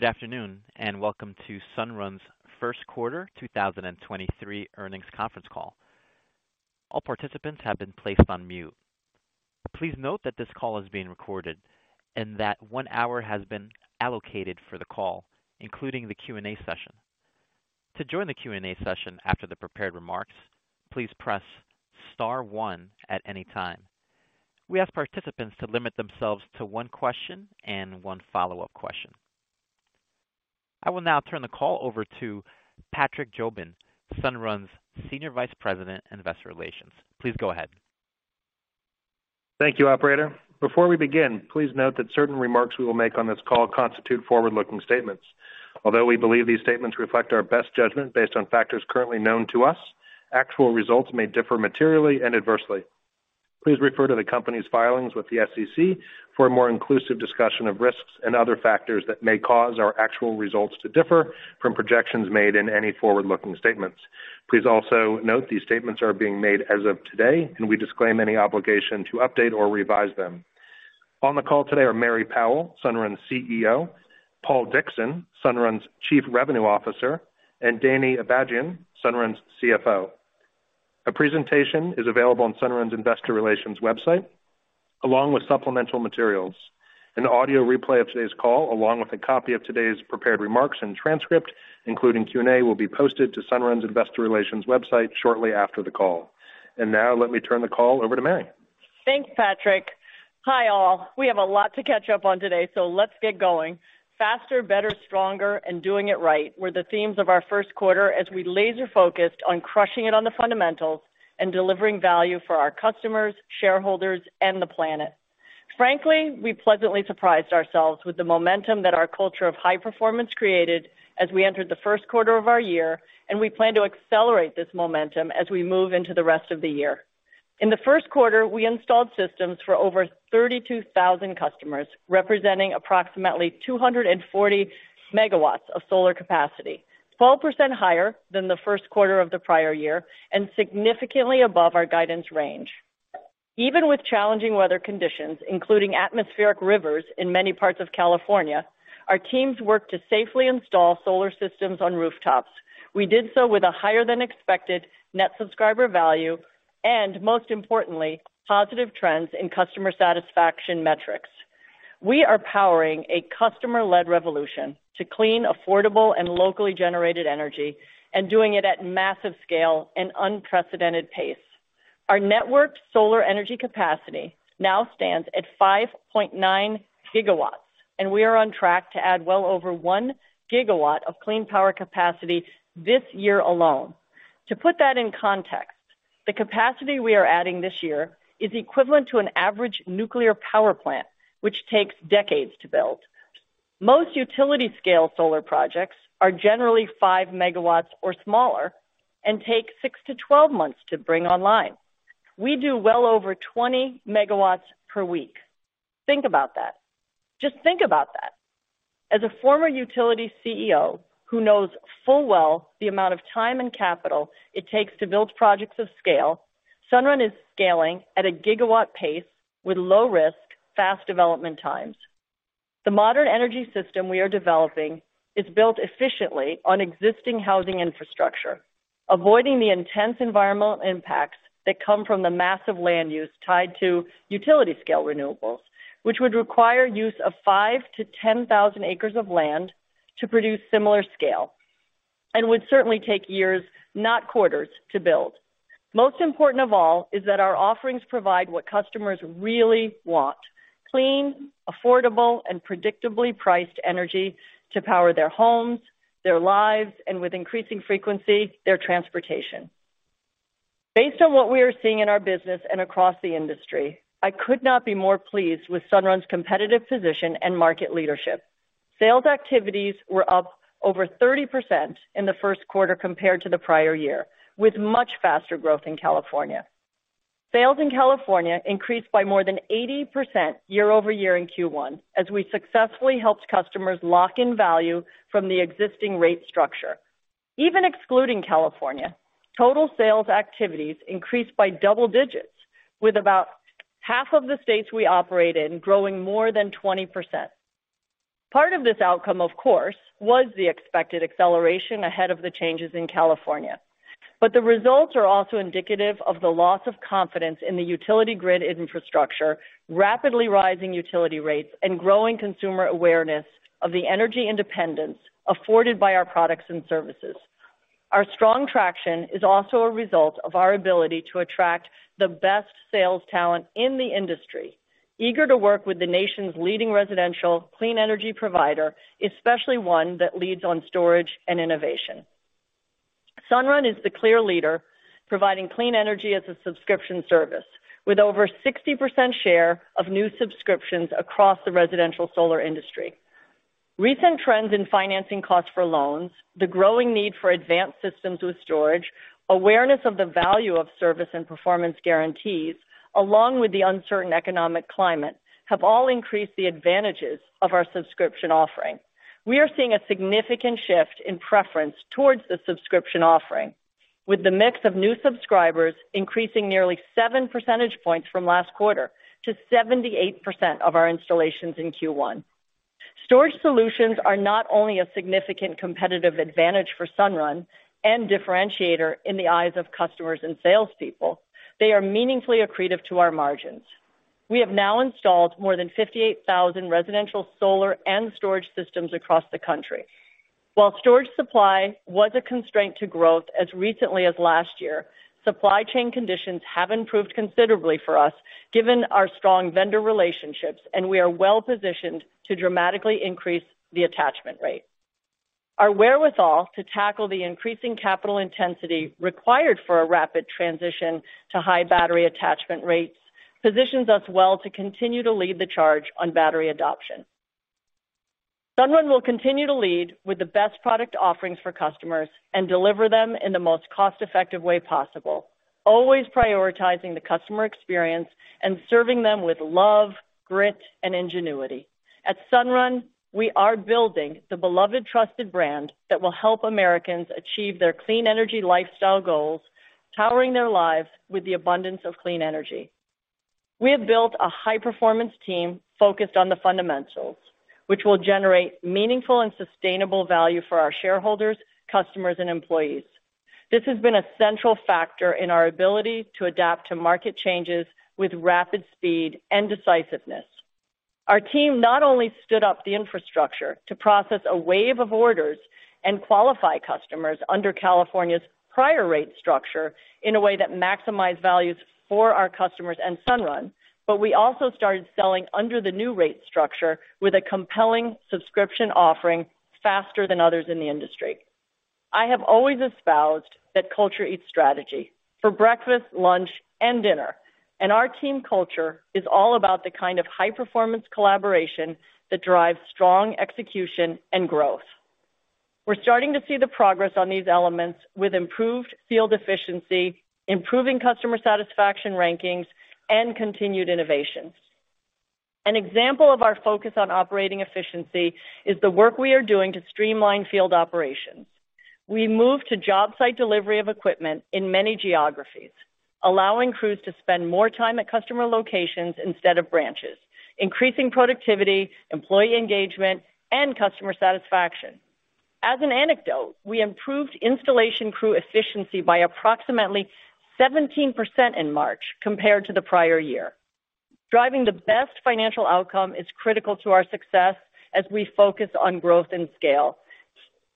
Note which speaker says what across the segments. Speaker 1: Good afternoon, welcome to Sunrun's first quarter 2023 earnings conference call. All participants have been placed on mute. Please note that this call is being recorded that one hour has been allocated for the call, including the Q&A session. To join the Q&A session after the prepared remarks, please press star one at any time. We ask participants to limit themselves to one question and one follow-up question. I will now turn the call over to Patrick Jobin, Sunrun's Senior Vice President and Investor Relations. Please go ahead.
Speaker 2: Thank you, operator. Before we begin, please note that certain remarks we will make on this call constitute forward-looking statements. Although we believe these statements reflect our best judgment based on factors currently known to us, actual results may differ materially and adversely. Please refer to the company's filings with the SEC for a more inclusive discussion of risks and other factors that may cause our actual results to differ from projections made in any forward-looking statements. Please also note these statements are being made as of today, and we disclaim any obligation to update or revise them. On the call today are Mary Powell, Sunrun's CEO, Paul Dickson, Sunrun's Chief Revenue Officer, and Danny Abajian, Sunrun's CFO. A presentation is available on Sunrun's investor relations website along with supplemental materials. An audio replay of today's call, along with a copy of today's prepared remarks and transcript, including Q&A, will be posted to Sunrun's investor relations website shortly after the call. Now let me turn the call over to Mary.
Speaker 3: Thanks, Patrick. Hi, all. We have a lot to catch up on today. Let's get going. Faster, better, stronger, and doing it right were the themes of our first quarter as we laser-focused on crushing it on the fundamentals and delivering value for our customers, shareholders, and the planet. Frankly, we pleasantly surprised ourselves with the momentum that our culture of high performance created as we entered the first quarter of our year. We plan to accelerate this momentum as we move into the rest of the year. In the first quarter, we installed systems for over 32,000 customers, representing approximately 240 megawatts of solar capacity, 12% higher than the first quarter of the prior year and significantly above our guidance range. Even with challenging weather conditions, including atmospheric rivers in many parts of California, our teams worked to safely install solar systems on rooftops. We did so with a higher than expected Net Subscriber Value. Most importantly, positive trends in customer satisfaction metrics. We are powering a customer-led revolution to clean, affordable, and locally generated energy and doing it at massive scale and unprecedented pace. Our network solar energy capacity now stands at 5.9 GW, and we are on track to add well over 1 GW of clean power capacity this year alone. To put that in context, the capacity we are adding this year is equivalent to an average nuclear power plant, which takes decades to build. Most utility scale solar projects are generally 5 MW or smaller and take 6-12 months to bring online. We do well over 20 MW per week. Think about that. Just think about that. As a former utility CEO who knows full well the amount of time and capital it takes to build projects of scale, Sunrun is scaling at a gigawatt pace with low risk, fast development times. The modern energy system we are developing is built efficiently on existing housing infrastructure, avoiding the intense environmental impacts that come from the massive land use tied to utility scale renewables, which would require use of 5 to 10,000 acres of land to produce similar scale and would certainly take years, not quarters, to build. Most important of all is that our offerings provide what customers really want: clean, affordable, and predictably priced energy to power their homes, their lives, and with increasing frequency, their transportation. Based on what we are seeing in our business and across the industry, I could not be more pleased with Sunrun's competitive position and market leadership. Sales activities were up over 30% in the first quarter compared to the prior year, with much faster growth in California. Sales in California increased by more than 80% year-over-year in Q1 as we successfully helped customers lock in value from the existing rate structure. Even excluding California, total sales activities increased by double digits, with about half of the states we operate in growing more than 20%. Part of this outcome, of course, was the expected acceleration ahead of the changes in California. The results are also indicative of the loss of confidence in the utility grid infrastructure, rapidly rising utility rates, and growing consumer awareness of the energy independence afforded by our products and services. Our strong traction is also a result of our ability to attract the best sales talent in the industry, eager to work with the nation's leading residential clean energy provider, especially one that leads on storage and innovation. Sunrun is the clear leader providing clean energy as a subscription service, with over 60% share of new subscriptions across the residential solar industry. Recent trends in financing costs for loans, the growing need for advanced systems with storage, awareness of the value of service and performance guarantees, along with the uncertain economic climate, have all increased the advantages of our subscription offering. We are seeing a significant shift in preference towards the subscription offering, with the mix of new subscribers increasing nearly 7 percentage points from last quarter to 78% of our installations in Q1. Storage solutions are not only a significant competitive advantage for Sunrun and differentiator in the eyes of customers and salespeople, they are meaningfully accretive to our margins. We have now installed more than 58,000 residential solar and storage systems across the country. While storage supply was a constraint to growth as recently as last year, supply chain conditions have improved considerably for us given our strong vendor relationships, and we are well-positioned to dramatically increase the attachment rate. Our wherewithal to tackle the increasing capital intensity required for a rapid transition to high battery attachment rates positions us well to continue to lead the charge on battery adoption. Sunrun will continue to lead with the best product offerings for customers and deliver them in the most cost-effective way possible, always prioritizing the customer experience and serving them with love, grit, and ingenuity. At Sunrun, we are building the beloved trusted brand that will help Americans achieve their clean energy lifestyle goals, powering their lives with the abundance of clean energy. We have built a high-performance team focused on the fundamentals, which will generate meaningful and sustainable value for our shareholders, customers, and employees. This has been a central factor in our ability to adapt to market changes with rapid speed and decisiveness. Our team not only stood up the infrastructure to process a wave of orders and qualify customers under California's prior rate structure in a way that maximized values for our customers and Sunrun, but we also started selling under the new rate structure with a compelling subscription offering faster than others in the industry. I have always espoused that culture eats strategy for breakfast, lunch, and dinner, and our team culture is all about the kind of high-performance collaboration that drives strong execution and growth. We're starting to see the progress on these elements with improved field efficiency, improving customer satisfaction rankings, and continued innovations. An example of our focus on operating efficiency is the work we are doing to streamline field operations. We moved to job site delivery of equipment in many geographies, allowing crews to spend more time at customer locations instead of branches, increasing productivity, employee engagement, and customer satisfaction. As an anecdote, we improved installation crew efficiency by approximately 17% in March compared to the prior year. Driving the best financial outcome is critical to our success as we focus on growth and scale,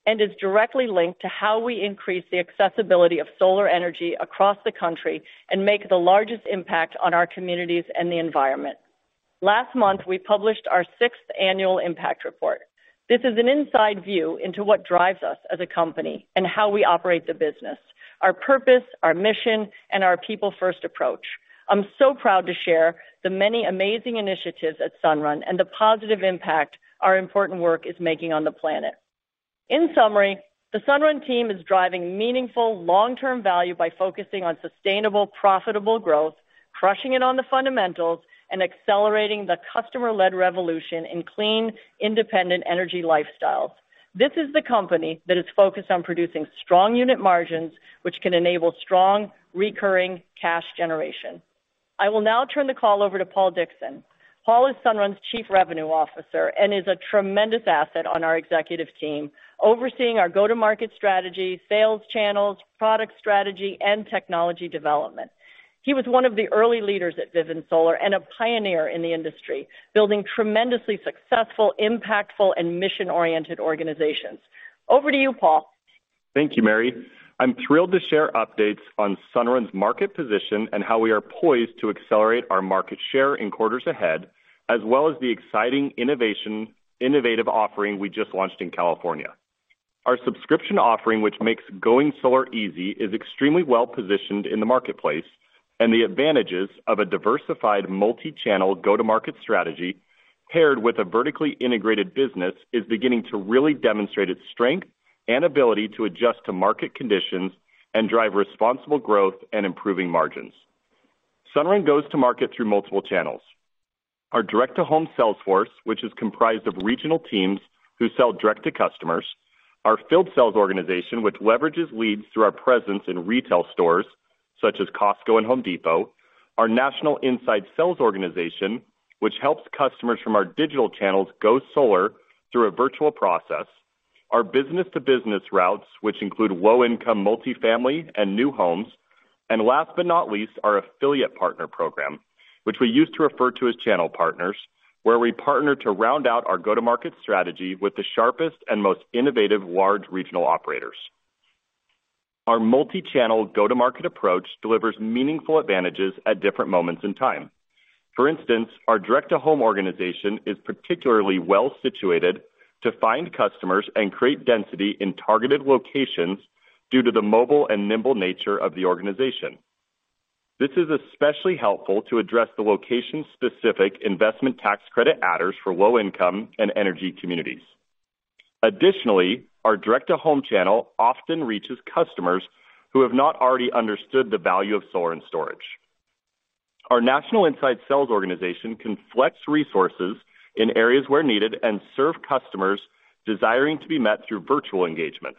Speaker 3: and is directly linked to how we increase the accessibility of solar energy across the country and make the largest impact on our communities and the environment. Last month, we published our sixth annual impact report. This is an inside view into what drives us as a company, and how we operate the business, our purpose, our mission, and our people-first approach. I'm so proud to share the many amazing initiatives at Sunrun and the positive impact our important work is making on the planet. In summary, the Sunrun team is driving meaningful long-term value by focusing on sustainable, profitable growth, crushing it on the fundamentals, and accelerating the customer-led revolution in clean, independent energy lifestyles. This is the company that is focused on producing strong unit margins, which can enable strong recurring cash generation. I will now turn the call over to Paul Dickson. Paul is Sunrun's Chief Revenue Officer and is a tremendous asset on our executive team, overseeing our go-to-market strategy, sales channels, product strategy, and technology development. He was one of the early leaders at Vivint Solar and a pioneer in the industry, building tremendously successful, impactful, and mission-oriented organizations. Over to you, Paul.
Speaker 4: Thank you, Mary. I'm thrilled to share updates on Sunrun's market position and how we are poised to accelerate our market share in quarters ahead, as well as the exciting innovative offering we just launched in California. Our subscription offering, which makes going solar easy, is extremely well-positioned in the marketplace. The advantages of a diversified multi-channel go-to-market strategy paired with a vertically integrated business is beginning to really demonstrate its strength and ability to adjust to market conditions and drive responsible growth and improving margins. Sunrun goes to market through multiple channels. Our direct-to-home sales force, which is comprised of regional teams who sell direct to customers. Our field sales organization, which leverages leads through our presence in retail stores such as Costco and Home Depot. Our national inside sales organization, which helps customers from our digital channels go solar through a virtual process. Our business-to-business routes, which include low-income multifamily and new homes. Last but not least, our affiliate partner program, which we used to refer to as channel partners, where we partner to round out our go-to-market strategy with the sharpest and most innovative large regional operators. Our multi-channel go-to-market approach delivers meaningful advantages at different moments in time. For instance, our direct-to-home organization is particularly well situated to find customers and create density in targeted locations due to the mobile and nimble nature of the organization. This is especially helpful to address the location-specific investment tax credit adders for low-income and energy communities. Our direct-to-home channel often reaches customers who have not already understood the value of solar and storage. Our national inside sales organization can flex resources in areas where needed and serve customers desiring to be met through virtual engagements.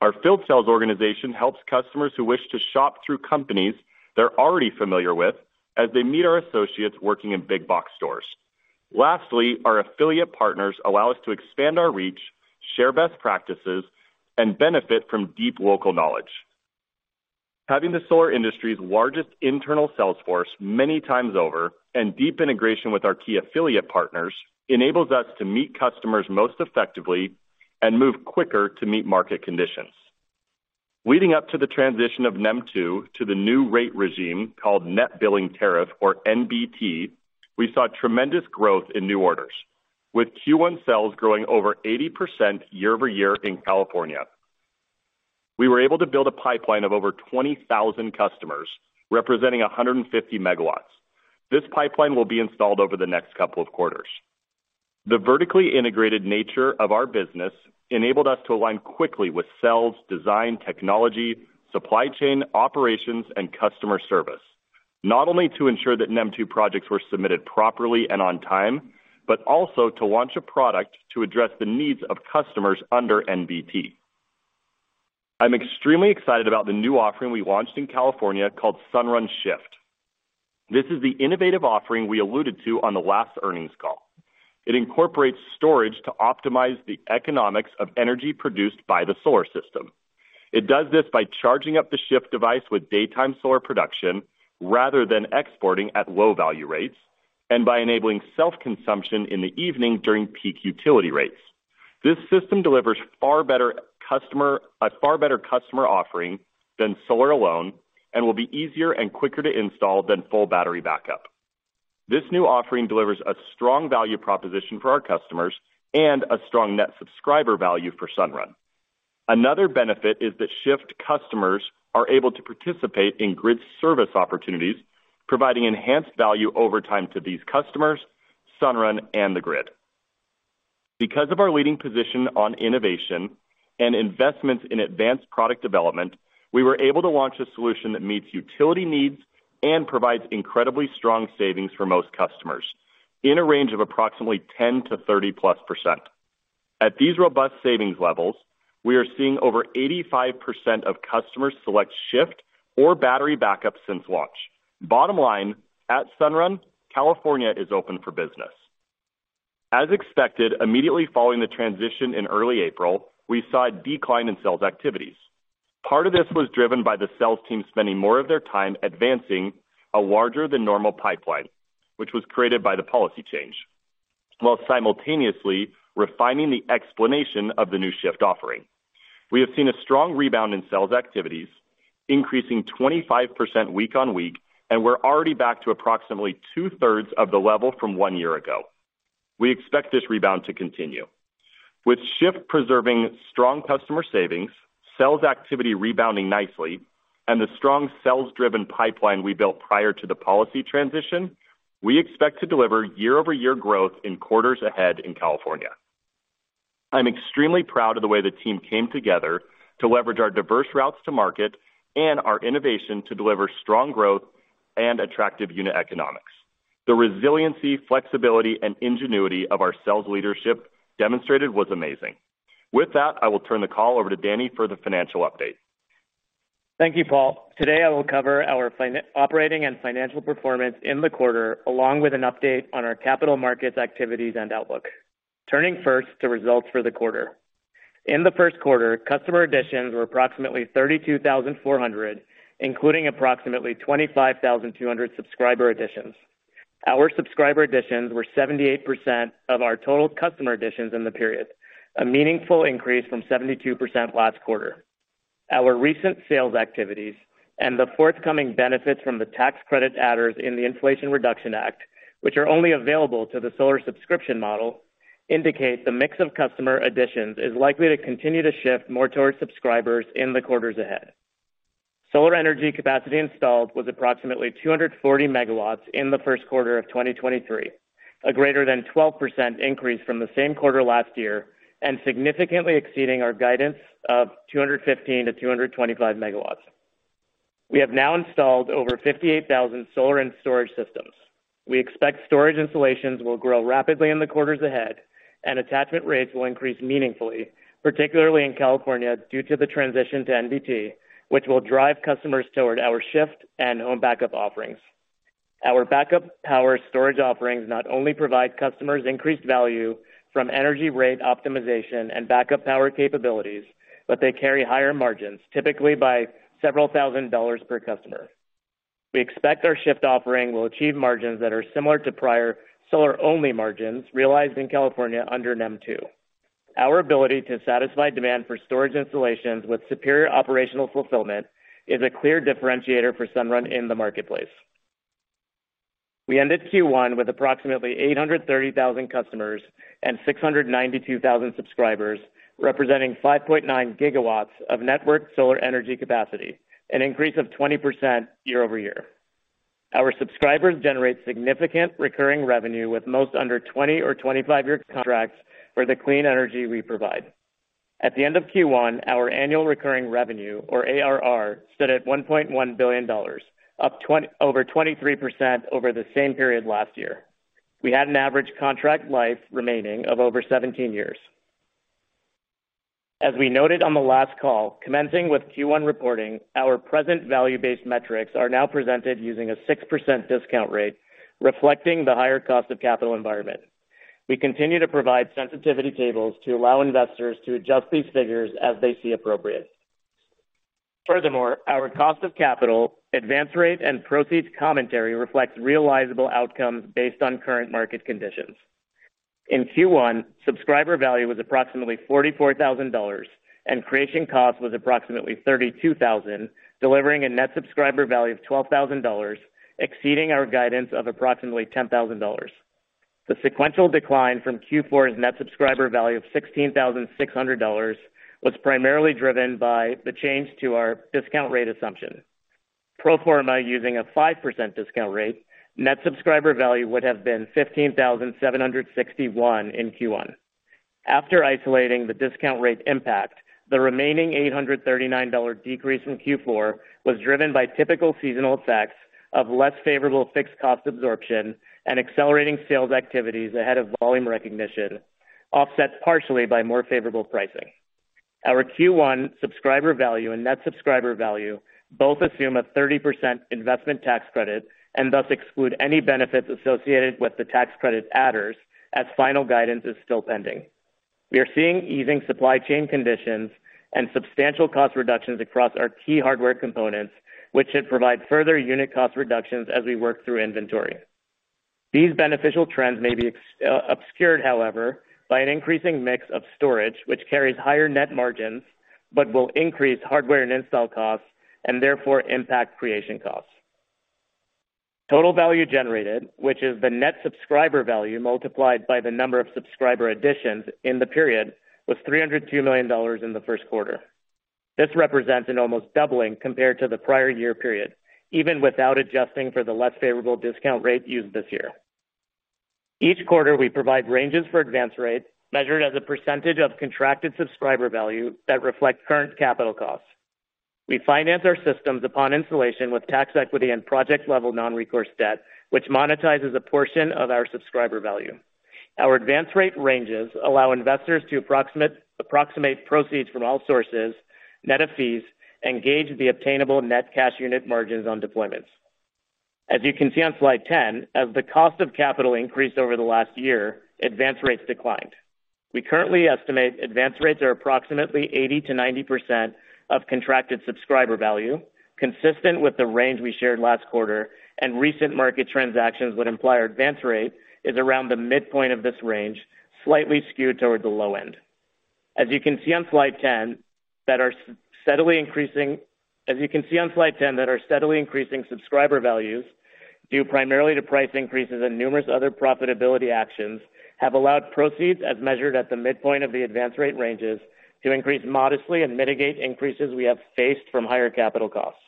Speaker 4: Our field sales organization helps customers who wish to shop through companies they're already familiar with as they meet our associates working in big box stores. Lastly, our affiliate partners allow us to expand our reach, share best practices, and benefit from deep local knowledge. Having the solar industry's largest internal sales force many times over, deep integration with our key affiliate partners enables us to meet customers most effectively and move quicker to meet market conditions. Leading up to the transition of NEM 2.0 to the new rate regime called Net Billing Tariff, or NBT, we saw tremendous growth in new orders. Q1 sales growing over 80% year-over-year in California. We were able to build a pipeline of over 20,000 customers, representing 150 megawatts. This pipeline will be installed over the next couple of quarters. The vertically integrated nature of our business enabled us to align quickly with sales, design, technology, supply chain, operations, and customer service. Not only to ensure that NEM 2.0 projects were submitted properly and on time, but also to launch a product to address the needs of customers under NBT. I'm extremely excited about the new offering we launched in California called Sunrun Shift. This is the innovative offering we alluded to on the last earnings call. It incorporates storage to optimize the economics of energy produced by the solar system. It does this by charging up the Shift device with daytime solar production rather than exporting at low value rates, and by enabling self-consumption in the evening during peak utility rates. This system delivers a far better customer offering than solar alone and will be easier and quicker to install than full battery backup. This new offering delivers a strong value proposition for our customers and a strong Net Subscriber Value for Sunrun. Another benefit is that Shift customers are able to participate in grid service opportunities, providing enhanced value over time to these customers, Sunrun, and the grid. Because of our leading position on innovation and investments in advanced product development, we were able to launch a solution that meets utility needs and provides incredibly strong savings for most customers in a range of approximately 10%-30%+. At these robust savings levels, we are seeing over 85% of customers select Shift or battery backup since launch. Bottom line, at Sunrun, California is open for business. As expected, immediately following the transition in early April, we saw a decline in sales activities. Part of this was driven by the sales team spending more of their time advancing a larger than normal pipeline, which was created by the policy change, while simultaneously refining the explanation of the new Shift offering. We have seen a strong rebound in sales activities, increasing 25% week-on-week. We're already back to approximately two-thirds of the level from 1 year ago. We expect this rebound to continue. With Shift preserving strong customer savings, sales activity rebounding nicely, and the strong sales-driven pipeline we built prior to the policy transition, we expect to deliver year-over-year growth in quarters ahead in California. I'm extremely proud of the way the team came together to leverage our diverse routes to market and our innovation to deliver strong growth and attractive unit economics. The resiliency, flexibility, and ingenuity of our sales leadership demonstrated was amazing. With that, I will turn the call over to Danny for the financial update.
Speaker 5: Thank you, Paul. Today, I will cover our operating and financial performance in the quarter, along with an update on our capital markets activities and outlook. Turning first to results for the quarter. In the first quarter, customer additions were approximately 32,400, including approximately 25,200 subscriber additions. Our subscriber additions were 78% of our total customer additions in the period, a meaningful increase from 72% last quarter. Our recent sales activities and the forthcoming benefits from the tax credit adders in the Inflation Reduction Act, which are only available to the solar subscription model, indicate the mix of customer additions is likely to continue to shift more towards subscribers in the quarters ahead. Solar energy capacity installed was approximately 240 megawatts in the first quarter of 2023, a greater than 12% increase from the same quarter last year, and significantly exceeding our guidance of 215-225 megawatts. We have now installed over 58,000 solar and storage systems. We expect storage installations will grow rapidly in the quarters ahead, and attachment rates will increase meaningfully, particularly in California, due to the transition to NBT, which will drive customers toward our Shift and home backup offerings. Our backup power storage offerings not only provide customers increased value from energy rate optimization and backup power capabilities, but they carry higher margins, typically by $ several thousand per customer. We expect our Shift offering will achieve margins that are similar to prior solar-only margins realized in California under NEM 2.0. Our ability to satisfy demand for storage installations with superior operational fulfillment is a clear differentiator for Sunrun in the marketplace. We ended Q1 with approximately 830,000 customers and 692,000 subscribers, representing 5.9 gigawatts of network solar energy capacity, an increase of 20% year-over-year. Our subscribers generate significant recurring revenue with most under 20 or 25-year contracts for the clean energy we provide. At the end of Q1, our annual recurring revenue, or ARR, stood at $1.1 billion, up over 23% over the same period last year. We had an average contract life remaining of over 17 years. As we noted on the last call, commencing with Q1 reporting, our present value-based metrics are now presented using a 6% discount rate, reflecting the higher cost of capital environment. We continue to provide sensitivity tables to allow investors to adjust these figures as they see appropriate. Furthermore, our cost of capital, advance rate, and proceeds commentary reflects realizable outcomes based on current market conditions. In Q1, Subscriber Value was approximately $44,000, and Creation Cost was approximately $32,000, delivering a Net Subscriber Value of $12,000, exceeding our guidance of approximately $10,000. The sequential decline from Q4's Net Subscriber Value of $16,600 was primarily driven by the change to our discount rate assumption. Pro forma using a 5% discount rate, Net Subscriber Value would have been $15,761 in Q1. After isolating the discount rate impact, the remaining $839 decrease in Q4 was driven by typical seasonal effects of less favorable fixed cost absorption and accelerating sales activities ahead of volume recognition, offset partially by more favorable pricing. Our Q1 Subscriber Value and Net Subscriber Value both assume a 30% investment tax credit and thus exclude any benefits associated with the tax credit adders as final guidance is still pending. We are seeing easing supply chain conditions and substantial cost reductions across our key hardware components, which should provide further unit cost reductions as we work through inventory. These beneficial trends may be obscured, however, by an increasing mix of storage, which carries higher net margins, but will increase hardware and install costs, and therefore impact Creation Costs. Total Value Generated, which is the Net Subscriber Value multiplied by the number of subscriber additions in the period, was $302 million in the first quarter. This represents an almost doubling compared to the prior year period, even without adjusting for the less favorable discount rate used this year. Each quarter, we provide ranges for advance rate, measured as a % of contracted Subscriber Value that reflect current capital costs. We finance our systems upon installation with tax equity and project-level non-recourse debt, which monetizes a portion of our Subscriber Value. Our advance rate ranges allow investors to approximate proceeds from all sources, net of fees, and gauge the obtainable net cash unit margins on deployments. As you can see on slide 10, as the cost of capital increased over the last year, advance rates declined. We currently estimate advance rates are approximately 80%-90% of contracted Subscriber Value, consistent with the range we shared last quarter, and recent market transactions would imply our advance rate is around the midpoint of this range, slightly skewed towards the low end. As you can see on slide 10, that our steadily increasing Subscriber Values, due primarily to price increases and numerous other profitability actions, have allowed proceeds as measured at the midpoint of the advance rate ranges to increase modestly and mitigate increases we have faced from higher capital costs.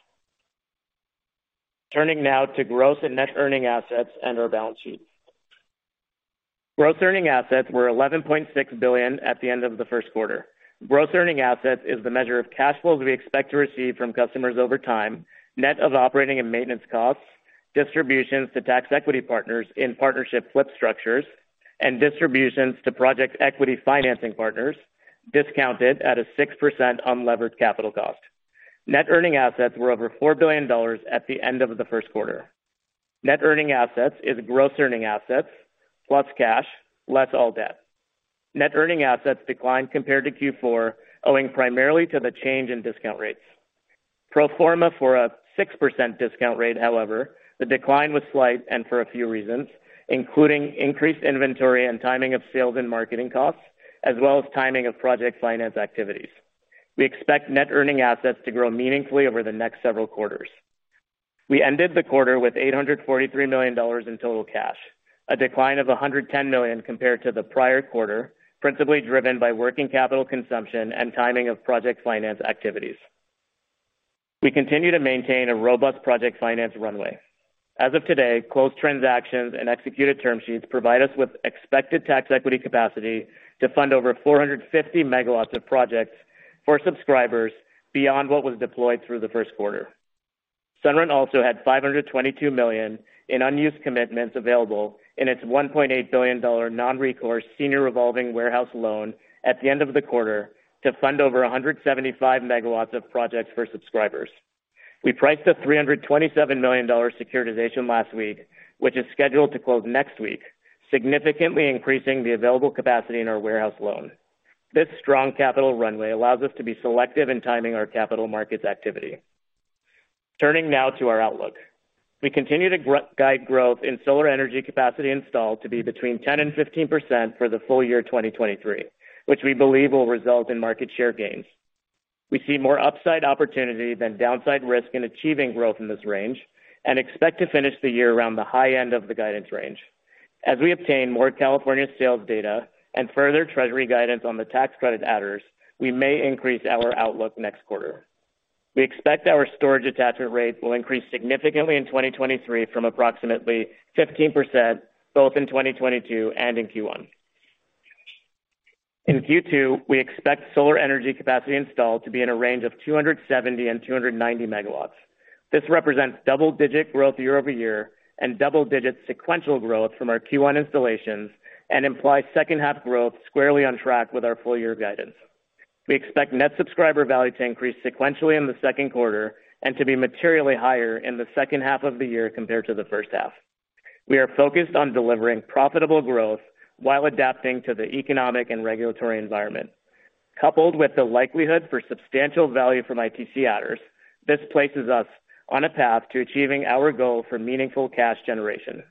Speaker 5: Turning now to Gross Earning Assets and Net Earning Assets and our balance sheet. Gross Earning Assets were $11.6 billion at the end of the first quarter. Gross Earning Assets is the measure of cash flows we expect to receive from customers over time, net of operating and maintenance costs, distributions to tax equity partners in partnership flip structures, and distributions to project equity financing partners discounted at a 6% unlevered capital cost. Net Earning Assets were over $4 billion at the end of the first quarter. Net Earning Assets is Gross Earning Assets, plus cash, less all debt. Net Earning Assets declined compared to Q4 owing primarily to the change in discount rates. Pro forma for a 6% discount rate, however, the decline was slight and for a few reasons, including increased inventory and timing of sales and marketing costs, as well as timing of project finance activities. We expect Net Earning Assets to grow meaningfully over the next several quarters. We ended the quarter with $843 million in total cash, a decline of $110 million compared to the prior quarter, principally driven by working capital consumption and timing of project finance activities. We continue to maintain a robust project finance runway. As of today, closed transactions and executed term sheets provide us with expected tax equity capacity to fund over 450 megawatts of projects for subscribers beyond what was deployed through the first quarter. Sunrun also had $522 million in unused commitments available in its $1.8 billion non-recourse senior revolving warehouse loan at the end of the quarter to fund over 175 megawatts of projects for subscribers. We priced a $327 million securitization last week, which is scheduled to close next week, significantly increasing the available capacity in our warehouse loan. This strong capital runway allows us to be selective in timing our capital markets activity. Turning now to our outlook. We continue to guide growth in solar energy capacity installed to be between 10% and 15% for the full year 2023, which we believe will result in market share gains. We see more upside opportunity than downside risk in achieving growth in this range, and expect to finish the year around the high end of the guidance range. As we obtain more California sales data and further Treasury guidance on the tax credit adders, we may increase our outlook next quarter. We expect our storage attachment rate will increase significantly in 2023 from approximately 15% both in 2022 and in Q1. In Q2, we expect solar energy capacity installed to be in a range of 270-290 megawatts. This represents double-digit growth year-over-year and double-digit sequential growth from our Q1 installations and implies second half growth squarely on track with our full year guidance. We expect net subscriber value to increase sequentially in the second quarter and to be materially higher in the second half of the year compared to the first half. We are focused on delivering profitable growth while adapting to the economic and regulatory environment. Coupled with the likelihood for substantial value from ITC adders, this places us on a path to achieving our goal for meaningful cash generation.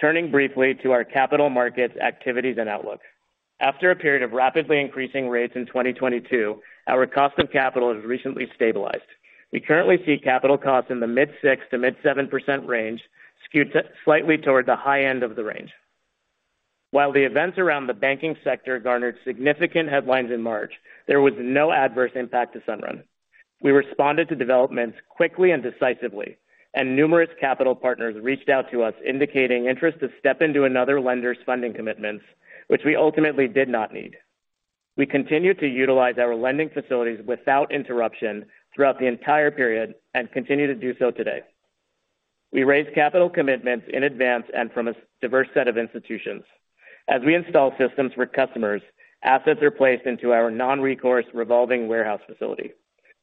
Speaker 5: Turning briefly to our capital markets activities and outlook. After a period of rapidly increasing rates in 2022, our cost of capital has recently stabilized. We currently see capital costs in the mid 6%-mid 7% range skewed slightly toward the high end of the range. While the events around the banking sector garnered significant headlines in March, there was no adverse impact to Sunrun. We responded to developments quickly and decisively. Numerous capital partners reached out to us indicating interest to step into another lender's funding commitments, which we ultimately did not need. We continued to utilize our lending facilities without interruption throughout the entire period and continue to do so today. We raised capital commitments in advance and from a diverse set of institutions. As we install systems for customers, assets are placed into our non-recourse revolving warehouse facility.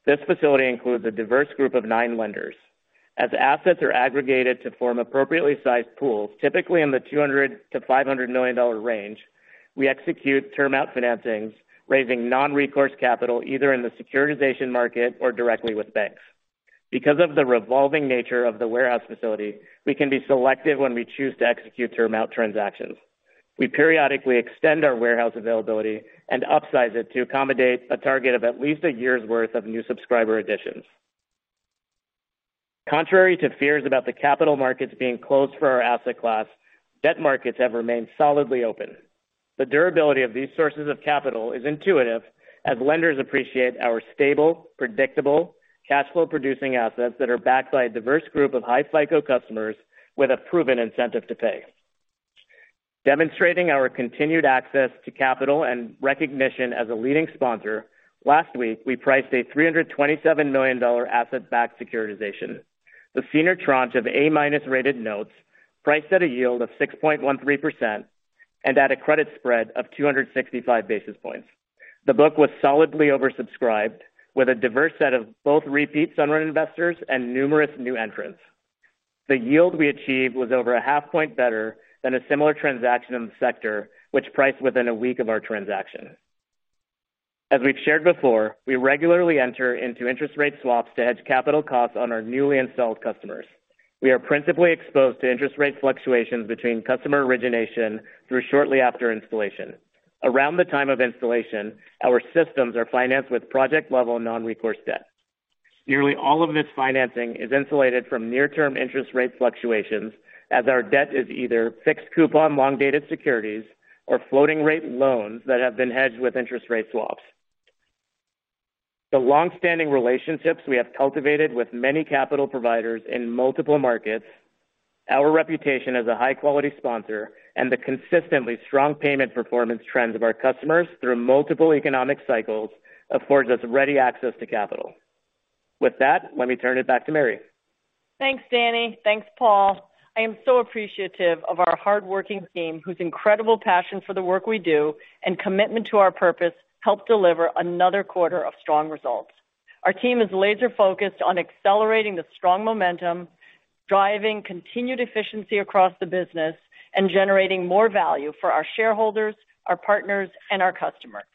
Speaker 5: This facility includes a diverse group of 9 lenders. As assets are aggregated to form appropriately sized pools, typically in the $200 million-$500 million range, we execute term out financings, raising non-recourse capital either in the securitization market or directly with banks. Because of the revolving nature of the warehouse facility, we can be selective when we choose to execute term out transactions. We periodically extend our warehouse availability and upsize it to accommodate a target of at least a year's worth of new subscriber additions. Contrary to fears about the capital markets being closed for our asset class, debt markets have remained solidly open. The durability of these sources of capital is intuitive as lenders appreciate our stable, predictable cash flow producing assets that are backed by a diverse group of high FICO customers with a proven incentive to pay. Demonstrating our continued access to capital and recognition as a leading sponsor, last week we priced a $327 million asset backed securitization. The senior tranche of A- rated notes priced at a yield of 6.13% and at a credit spread of 265 basis points. The book was solidly oversubscribed with a diverse set of both repeat Sunrun investors and numerous new entrants. The yield we achieved was over a half point better than a similar transaction in the sector, which priced within a week of our transaction. As we've shared before, we regularly enter into interest rate swaps to hedge capital costs on our newly installed customers. We are principally exposed to interest rate fluctuations between customer origination through shortly after installation. Around the time of installation, our systems are financed with project level non-recourse debt. Nearly all of this financing is insulated from near-term interest rate fluctuations as our debt is either fixed coupon long dated securities or floating rate loans that have been hedged with interest rate swaps. The long-standing relationships we have cultivated with many capital providers in multiple markets, our reputation as a high quality sponsor, and the consistently strong payment performance trends of our customers through multiple economic cycles affords us ready access to capital. With that, let me turn it back to Mary.
Speaker 3: Thanks, Danny. Thanks, Paul. I am so appreciative of our hardworking team, whose incredible passion for the work we do and commitment to our purpose helped deliver another quarter of strong results. Our team is laser focused on accelerating the strong momentum, driving continued efficiency across the business, and generating more value for our shareholders, our partners, and our customers.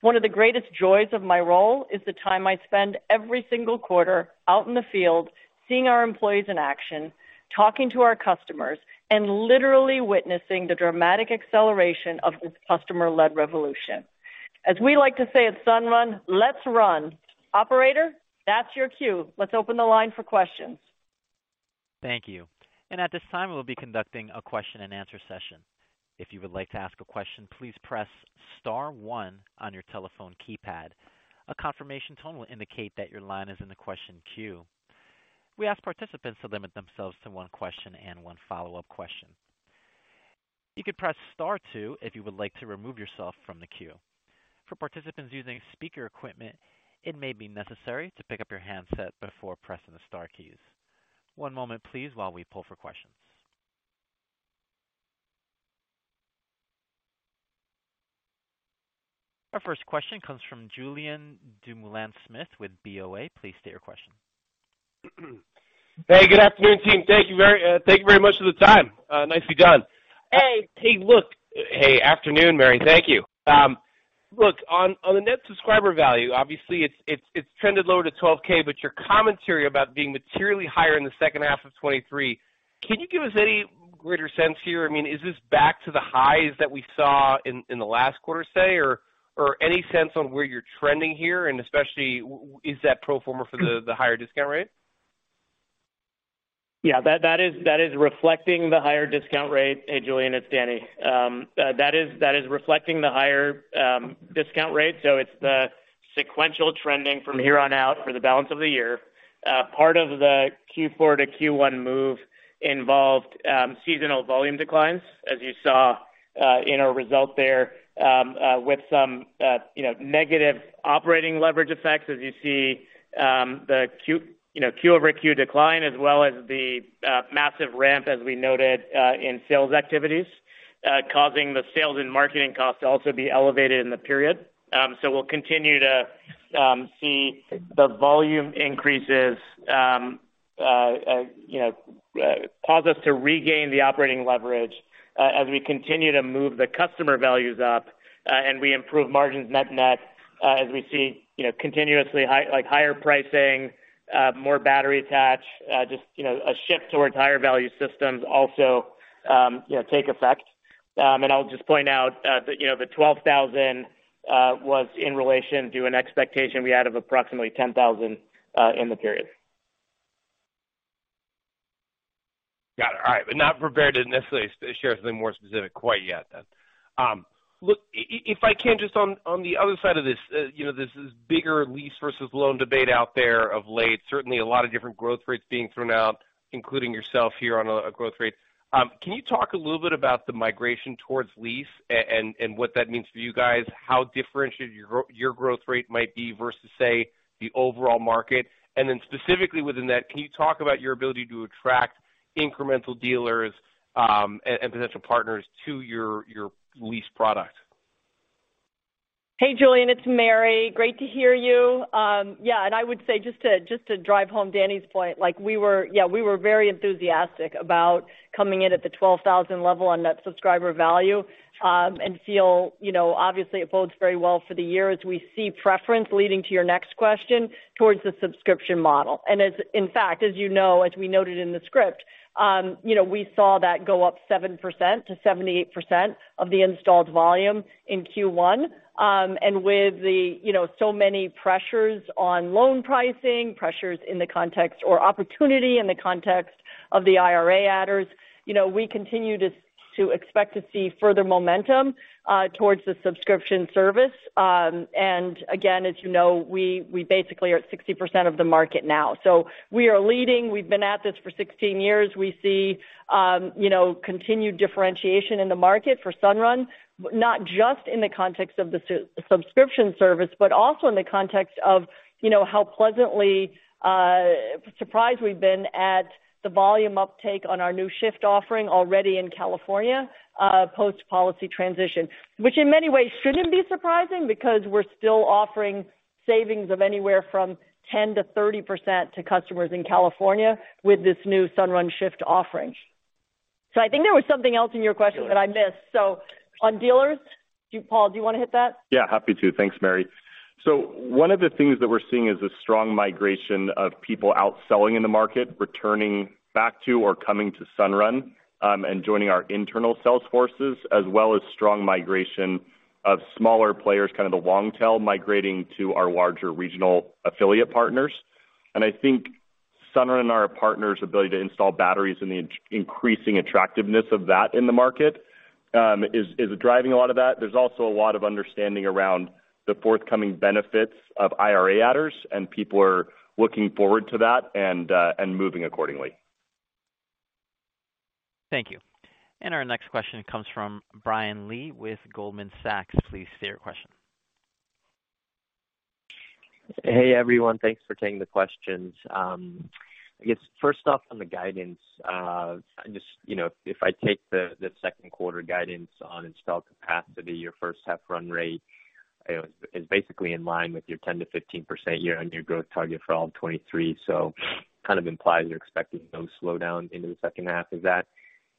Speaker 3: One of the greatest joys of my role is the time I spend every single quarter out in the field, seeing our employees in action, talking to our customers, and literally witnessing the dramatic acceleration of this customer led revolution. As we like to say at Sunrun, let's run. Operator, that's your cue. Let's open the line for questions.
Speaker 1: Thank you. At this time, we'll be conducting a question and answer session. If you would like to ask a question, please press star one on your telephone keypad. A confirmation tone will indicate that your line is in the question queue. We ask participants to limit themselves to one question and one follow-up question. You can press star two if you would like to remove yourself from the queue. For participants using speaker equipment, it may be necessary to pick up your handset before pressing the star keys. One moment, please, while we pull for questions. Our first question comes from Julien Dumoulin-Smith with BofA. Please state your question.
Speaker 6: Hey, good afternoon, team. Thank you very much for the time. Nicely done.
Speaker 3: Hey, look.
Speaker 6: Hey, afternoon, Mary. Thank you. Look, on the Net Subscriber Value, obviously it's trended lower to $12K, but your commentary about being materially higher in the second half of 2023, can you give us any greater sense here? I mean, is this back to the highs that we saw in the last quarter, say, or any sense on where you're trending here? Is that pro forma for the higher discount rate? Yeah, that is reflecting the higher discount rate. Hey, Julien, it's Danny. That is reflecting the higher discount rate. So it's the sequential trending from here on out for the balance of the year.
Speaker 5: Part of the Q4 to Q1 move involved seasonal volume declines, as you saw in our result there, with some, you know, negative operating leverage effects as you see Q over Q decline, as well as the massive ramp as we noted in sales activities, causing the sales and marketing costs to also be elevated in the period. We'll continue to see the volume increases, you know, cause us to regain the operating leverage as we continue to move the customer values up, and we improve margins net-net, as we see, you know, continuously like higher pricing, more battery attach, just, you know, a shift towards higher value systems also, you know, take effect. I'll just point out that, you know, the 12,000 was in relation to an expectation we had of approximately 10,000 in the period.
Speaker 6: Got it. All right. Not prepared to necessarily share something more specific quite yet then. Look, if I can just on the other side of this, you know, this is bigger lease versus loan debate out there of late. Certainly a lot of different growth rates being thrown out, including yourself here on a growth rate. Can you talk a little bit about the migration towards lease and what that means for you guys? How differentiated your growth rate might be versus, say, the overall market? Specifically within that, can you talk about your ability to attract incremental dealers and potential partners to your lease product?
Speaker 3: Hey, Julien, it's Mary. Great to hear you. Yeah, I would say just to drive home Danny's point, like we were very enthusiastic about coming in at the 12,000 level on Net Subscriber Value, and feel, you know, obviously it bodes very well for the year as we see preference leading to your next question towards the subscription model. As in fact, as you know, we noted in the script, you know, we saw that go up 7% to 78% of the installed volume in Q1. With the, you know, so many pressures on loan pricing, pressures in the context or opportunity in the context of the IRA adders, you know, we continue to expect to see further momentum towards the subscription service. Again, as you know, we basically are at 60% of the market now. We are leading. We've been at this for 16 years. We see, you know, continued differentiation in the market for Sunrun, not just in the context of the subscription service, but also in the context of, you know, how pleasantly surprised we've been at the volume uptake on our new Shift offering already in California, post-policy transition. In many ways shouldn't be surprising because we're still offering savings of anywhere from 10%-30% to customers in California with this new Sunrun Shift offering. I think there was something else in your question that I missed. On dealers, Paul, do you wanna hit that?
Speaker 4: Yeah, happy to. Thanks, Mary. One of the things that we're seeing is a strong migration of people out selling in the market, returning back to or coming to Sunrun, and joining our internal sales forces, as well as strong migration of smaller players, kind of the long tail migrating to our larger regional affiliate partners. I think Sunrun and our partners' ability to install batteries and the increasing attractiveness of that in the market is driving a lot of that. There's also a lot of understanding around the forthcoming benefits of IRA adders, and people are looking forward to that and moving accordingly.
Speaker 1: Thank you. Our next question comes from Brian Lee with Goldman Sachs. Please state your question.
Speaker 7: Hey, everyone. Thanks for taking the questions. I guess first off on the guidance, just, you know, if I take the second quarter guidance on installed capacity, your first half run rate, you know, is basically in line with your 10%-15% year-on-year growth target for all of 2023. Kind of implies you're expecting no slowdown into the second half. Is that,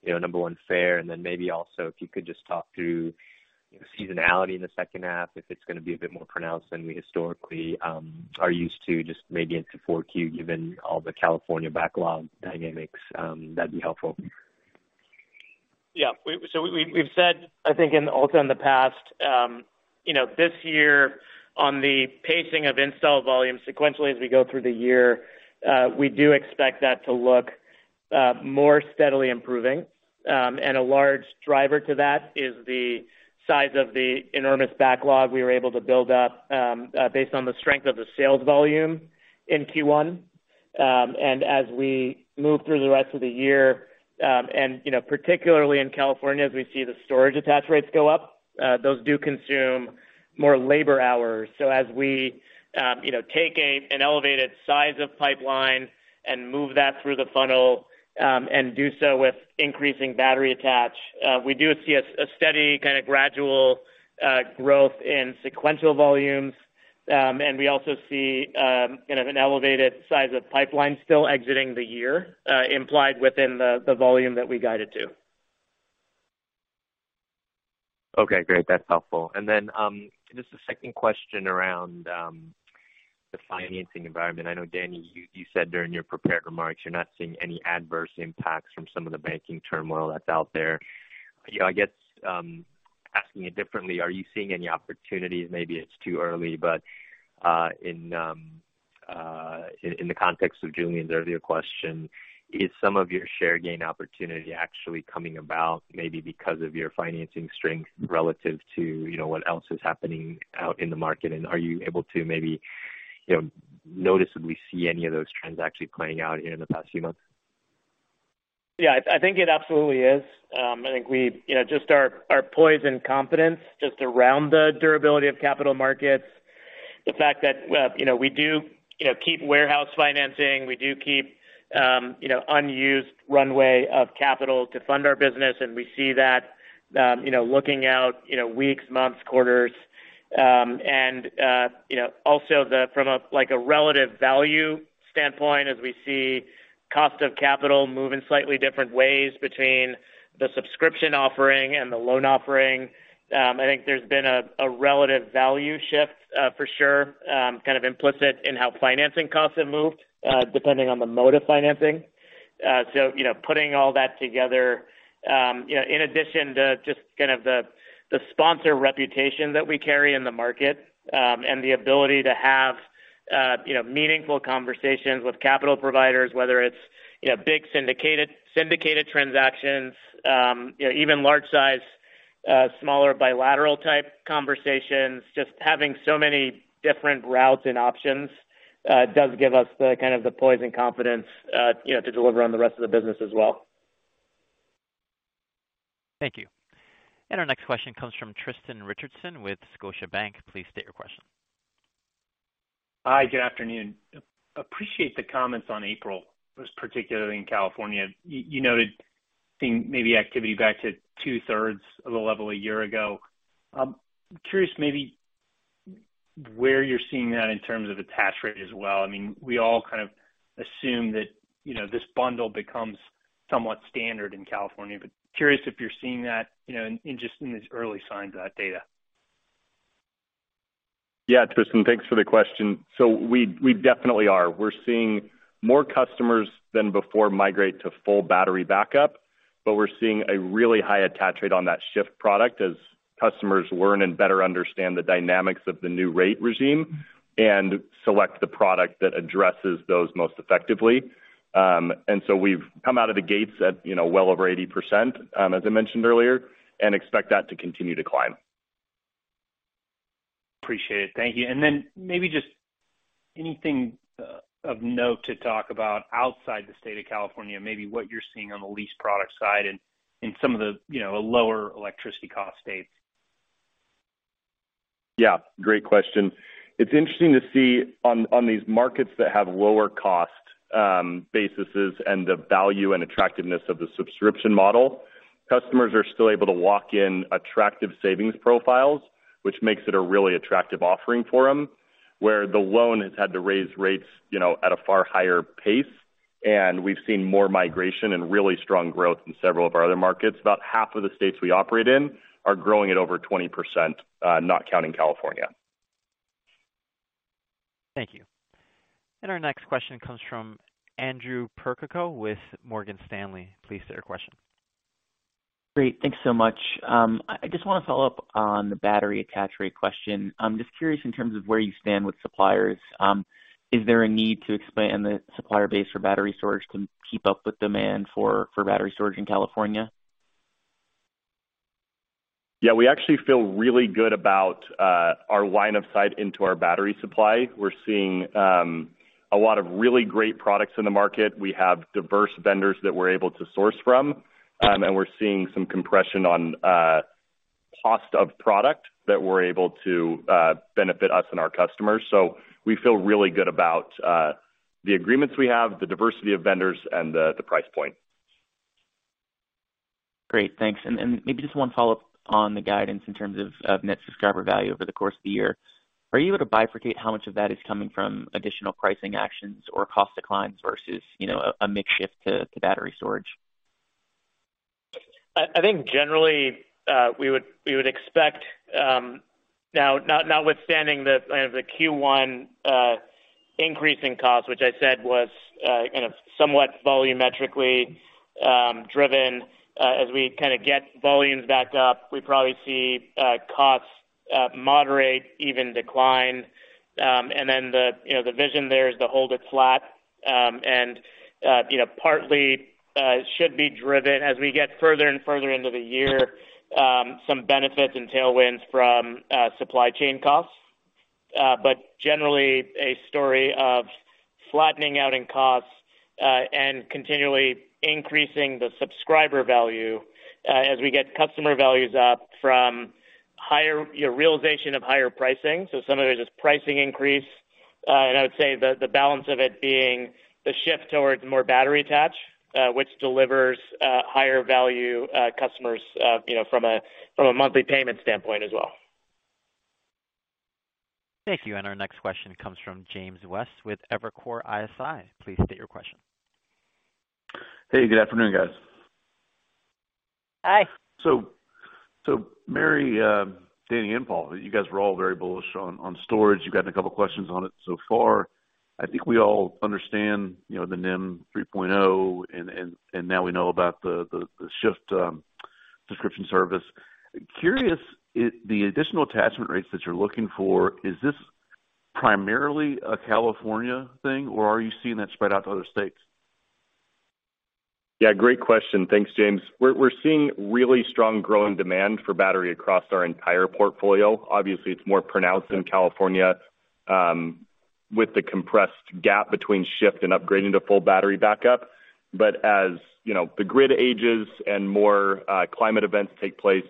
Speaker 7: you know, number one, fair? And then maybe also, if you could just talk through seasonality in the second half, if it's gonna be a bit more pronounced than we historically are used to, just maybe into 4Q, given all the California backlog dynamics, that'd be helpful.
Speaker 5: So we've said, I think also in the past, you know, this year on the pacing of install volume sequentially as we go through the year, we do expect that to look more steadily improving. A large driver to that is the size of the enormous backlog we were able to build up, based on the strength of the sales volume in Q1. As we move through the rest of the year, and, you know, particularly in California, as we see the storage attach rates go up, those do consume more labor hours. As we, you know, take an elevated size of pipeline and move that through the funnel, and do so with increasing battery attach, we do see a steady kinda gradual growth in sequential volumes. We also see, you know, an elevated size of pipeline still exiting the year, implied within the volume that we guided to.
Speaker 7: Okay, great. That's helpful. Just a second question around the financing environment. I know, Danny, you said during your prepared remarks you're not seeing any adverse impacts from some of the banking turmoil that's out there. You know, I guess, asking it differently, are you seeing any opportunities? Maybe it's too early, but in the context of Julien's earlier question, is some of your share gain opportunity actually coming about, maybe because of your financing strength relative to, you know, what else is happening out in the market? Are you able to maybe, you know, noticeably see any of those trends actually playing out here in the past few months?
Speaker 5: Yeah, I think it absolutely is. I think we, you know, just our poise and confidence just around the durability of capital markets. The fact that, you know, we do, you know, keep warehouse financing, we do keep, you know, unused runway of capital to fund our business, and we see that, you know, looking out, you know, weeks, months, quarters. Also, you know, from a, like, a relative value standpoint as we see cost of capital move in slightly different ways between the subscription offering and the loan offering. I think there's been a relative value shift, for sure, kind of implicit in how financing costs have moved, depending on the mode of financing. you know, putting all that together, you know, in addition to just kind of the sponsor reputation that we carry in the market, and the ability to have, you know, meaningful conversations with capital providers, whether it's, you know, big syndicated transactions, you know, even large size, smaller bilateral type conversations. Just having so many different routes and options, does give us the kind of the poise and confidence, you know, to deliver on the rest of the business as well.
Speaker 1: Thank you. Our next question comes from Tristan Richardson with Scotiabank. Please state your question.
Speaker 8: Hi, good afternoon. Appreciate the comments on April, was particularly in California. You noted seeing maybe activity back to two-thirds of the level a year ago. I'm curious maybe where you're seeing that in terms of attach rate as well. I mean, we all kind of assume that, you know, this bundle becomes somewhat standard in California, but curious if you're seeing that, you know, in just these early signs of that data.
Speaker 4: Yeah. Tristan, thanks for the question. We definitely are. We're seeing more customers than before migrate to full battery backup, but we're seeing a really high attach rate on that Shift product as customers learn and better understand the dynamics of the new rate regime and select the product that addresses those most effectively. We've come out of the gates at well over 80%, as I mentioned earlier, and expect that to continue to climb.
Speaker 8: Appreciate it. Thank you. Maybe just anything of note to talk about outside the state of California, maybe what you're seeing on the lease product side and some of the, you know, lower electricity cost states?
Speaker 4: Yeah, great question. It's interesting to see on these markets that have lower cost bases and the value and attractiveness of the subscription model. Customers are still able to lock in attractive savings profiles, which makes it a really attractive offering for them. Where the loan has had to raise rates, you know, at a far higher pace, and we've seen more migration and really strong growth in several of our other markets. About half of the states we operate in are growing at over 20%, not counting California.
Speaker 1: Thank you. Our next question comes from Andrew Percoco with Morgan Stanley. Please state your question.
Speaker 9: Great. Thanks so much. I just wanna follow up on the battery attach rate question. I'm just curious in terms of where you stand with suppliers. Is there a need to expand the supplier base for battery storage to keep up with demand for battery storage in California?
Speaker 4: We actually feel really good about our line of sight into our battery supply. We're seeing a lot of really great products in the market. We have diverse vendors that we're able to source from, and we're seeing some compression on cost of product that we're able to benefit us and our customers. We feel really good about the agreements we have, the diversity of vendors and the price point.
Speaker 9: Great. Thanks. Maybe just 1 follow-up on the guidance in terms of Net Subscriber Value over the course of the year. Are you able to bifurcate how much of that is coming from additional pricing actions or cost declines versus, you know, a mix shift to battery storage?
Speaker 5: I think generally, we would expect, now notwithstanding the kind of the Q1 increase in cost, which I said was kind of somewhat volumetrically driven, as we kind of get volumes back up, we probably see costs moderate, even decline. The, you know, the vision there is to hold it flat. you know, partly should be driven as we get further and further into the year, some benefits and tailwinds from supply chain costs. Generally a story of flattening out in costs and continually increasing the Subscriber Value as we get customer values up from higher, you know, realization of higher pricing. Some of it is just pricing increase. I would say the balance of it being the shift towards more battery attach, which delivers higher value customers, you know, from a monthly payment standpoint as well.
Speaker 1: Thank you. Our next question comes from James West with Evercore ISI. Please state your question.
Speaker 10: Hey, good afternoon, guys.
Speaker 3: Hi.
Speaker 10: Mary, Danny and Paul, you guys were all very bullish on storage. You've gotten a couple questions on it so far. I think we all understand, you know, the NEM 3.0 and now we know about the Shift subscription service. Curious, the additional attachment rates that you're looking for, is this primarily a California thing, or are you seeing that spread out to other states?
Speaker 4: Yeah, great question. Thanks, James. We're seeing really strong growing demand for battery across our entire portfolio. Obviously, it's more pronounced in California, with the compressed gap between Shift and upgrading to full battery backup. As, you know, the grid ages and more climate events take place,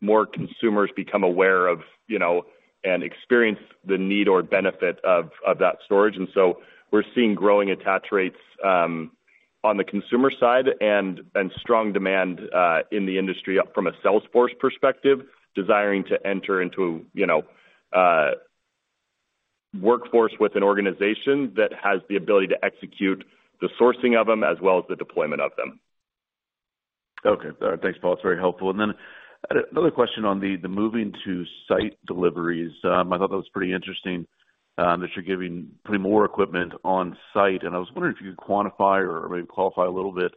Speaker 4: more consumers become aware of, you know, and experience the need or benefit of that storage. So we're seeing growing attach rates on the consumer side and strong demand in the industry from a sales force perspective, desiring to enter into, you know, workforce with an organization that has the ability to execute the sourcing of them as well as the deployment of them.
Speaker 10: Okay. All right. Thanks, Paul. It's very helpful. I had another question on the moving to site deliveries. I thought that was pretty interesting, that you're giving pretty more equipment on site. I was wondering if you could quantify or maybe qualify a little bit,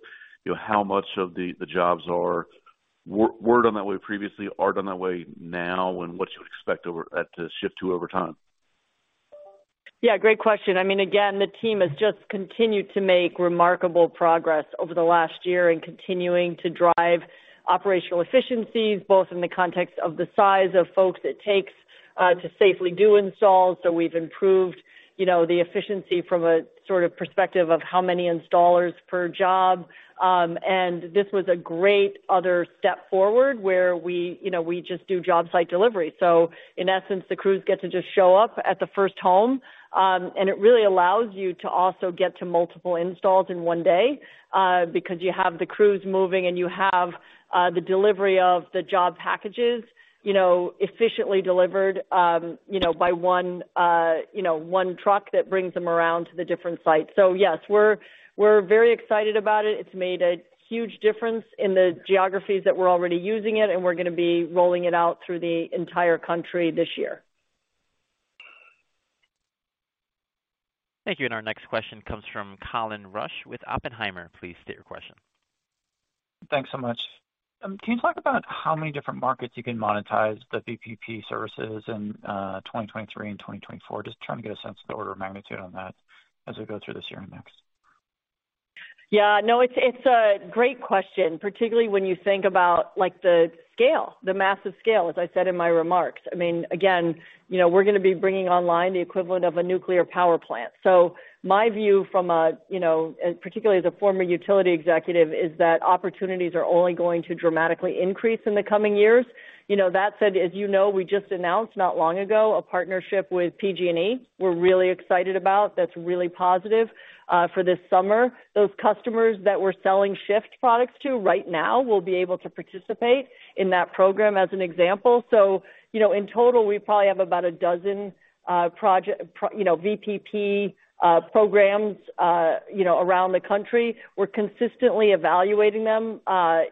Speaker 10: you know, how much of the jobs are were done that way previously, are done that way now, and what you would expect to shift to over time.
Speaker 3: Yeah, great question. I mean, again, the team has just continued to make remarkable progress over the last year in continuing to drive operational efficiencies, both in the context of the size of folks it takes to safely do installs. We've improved, you know, the efficiency from a sort of perspective of how many installers per job. This was a great other step forward where we, you know, we just do job site delivery. In essence, the crews get to just show up at the first home, and it really allows you to also get to multiple installs in one day because you have the crews moving and you have the delivery of the job packages, you know, efficiently delivered, you know, by one, you know, one truck that brings them around to the different sites. Yes, we're very excited about it. It's made a huge difference in the geographies that we're already using it, and we're gonna be rolling it out through the entire country this year.
Speaker 1: Thank you. Our next question comes from Colin Rusch with Oppenheimer. Please state your question.
Speaker 11: Thanks so much. Can you talk about how many different markets you can monetize the VPP services in 2023 and 2024? Just trying to get a sense of the order of magnitude on that as we go through this year and next.
Speaker 3: Yeah. No, it's a great question, particularly when you think about, like, the scale, the massive scale, as I said in my remarks. I mean, again, you know, we're gonna be bringing online the equivalent of a nuclear power plant. My view from a, you know, and particularly as a former utility executive, is that opportunities are only going to dramatically increase in the coming years. You know, that said, as you know, we just announced not long ago a partnership with PG&E. We're really excited about. That's really positive for this summer. Those customers that we're selling Shift products to right now will be able to participate in that program as an example. In total, we probably have about a dozen, you know, VPP programs, you know, around the country. We're consistently evaluating them,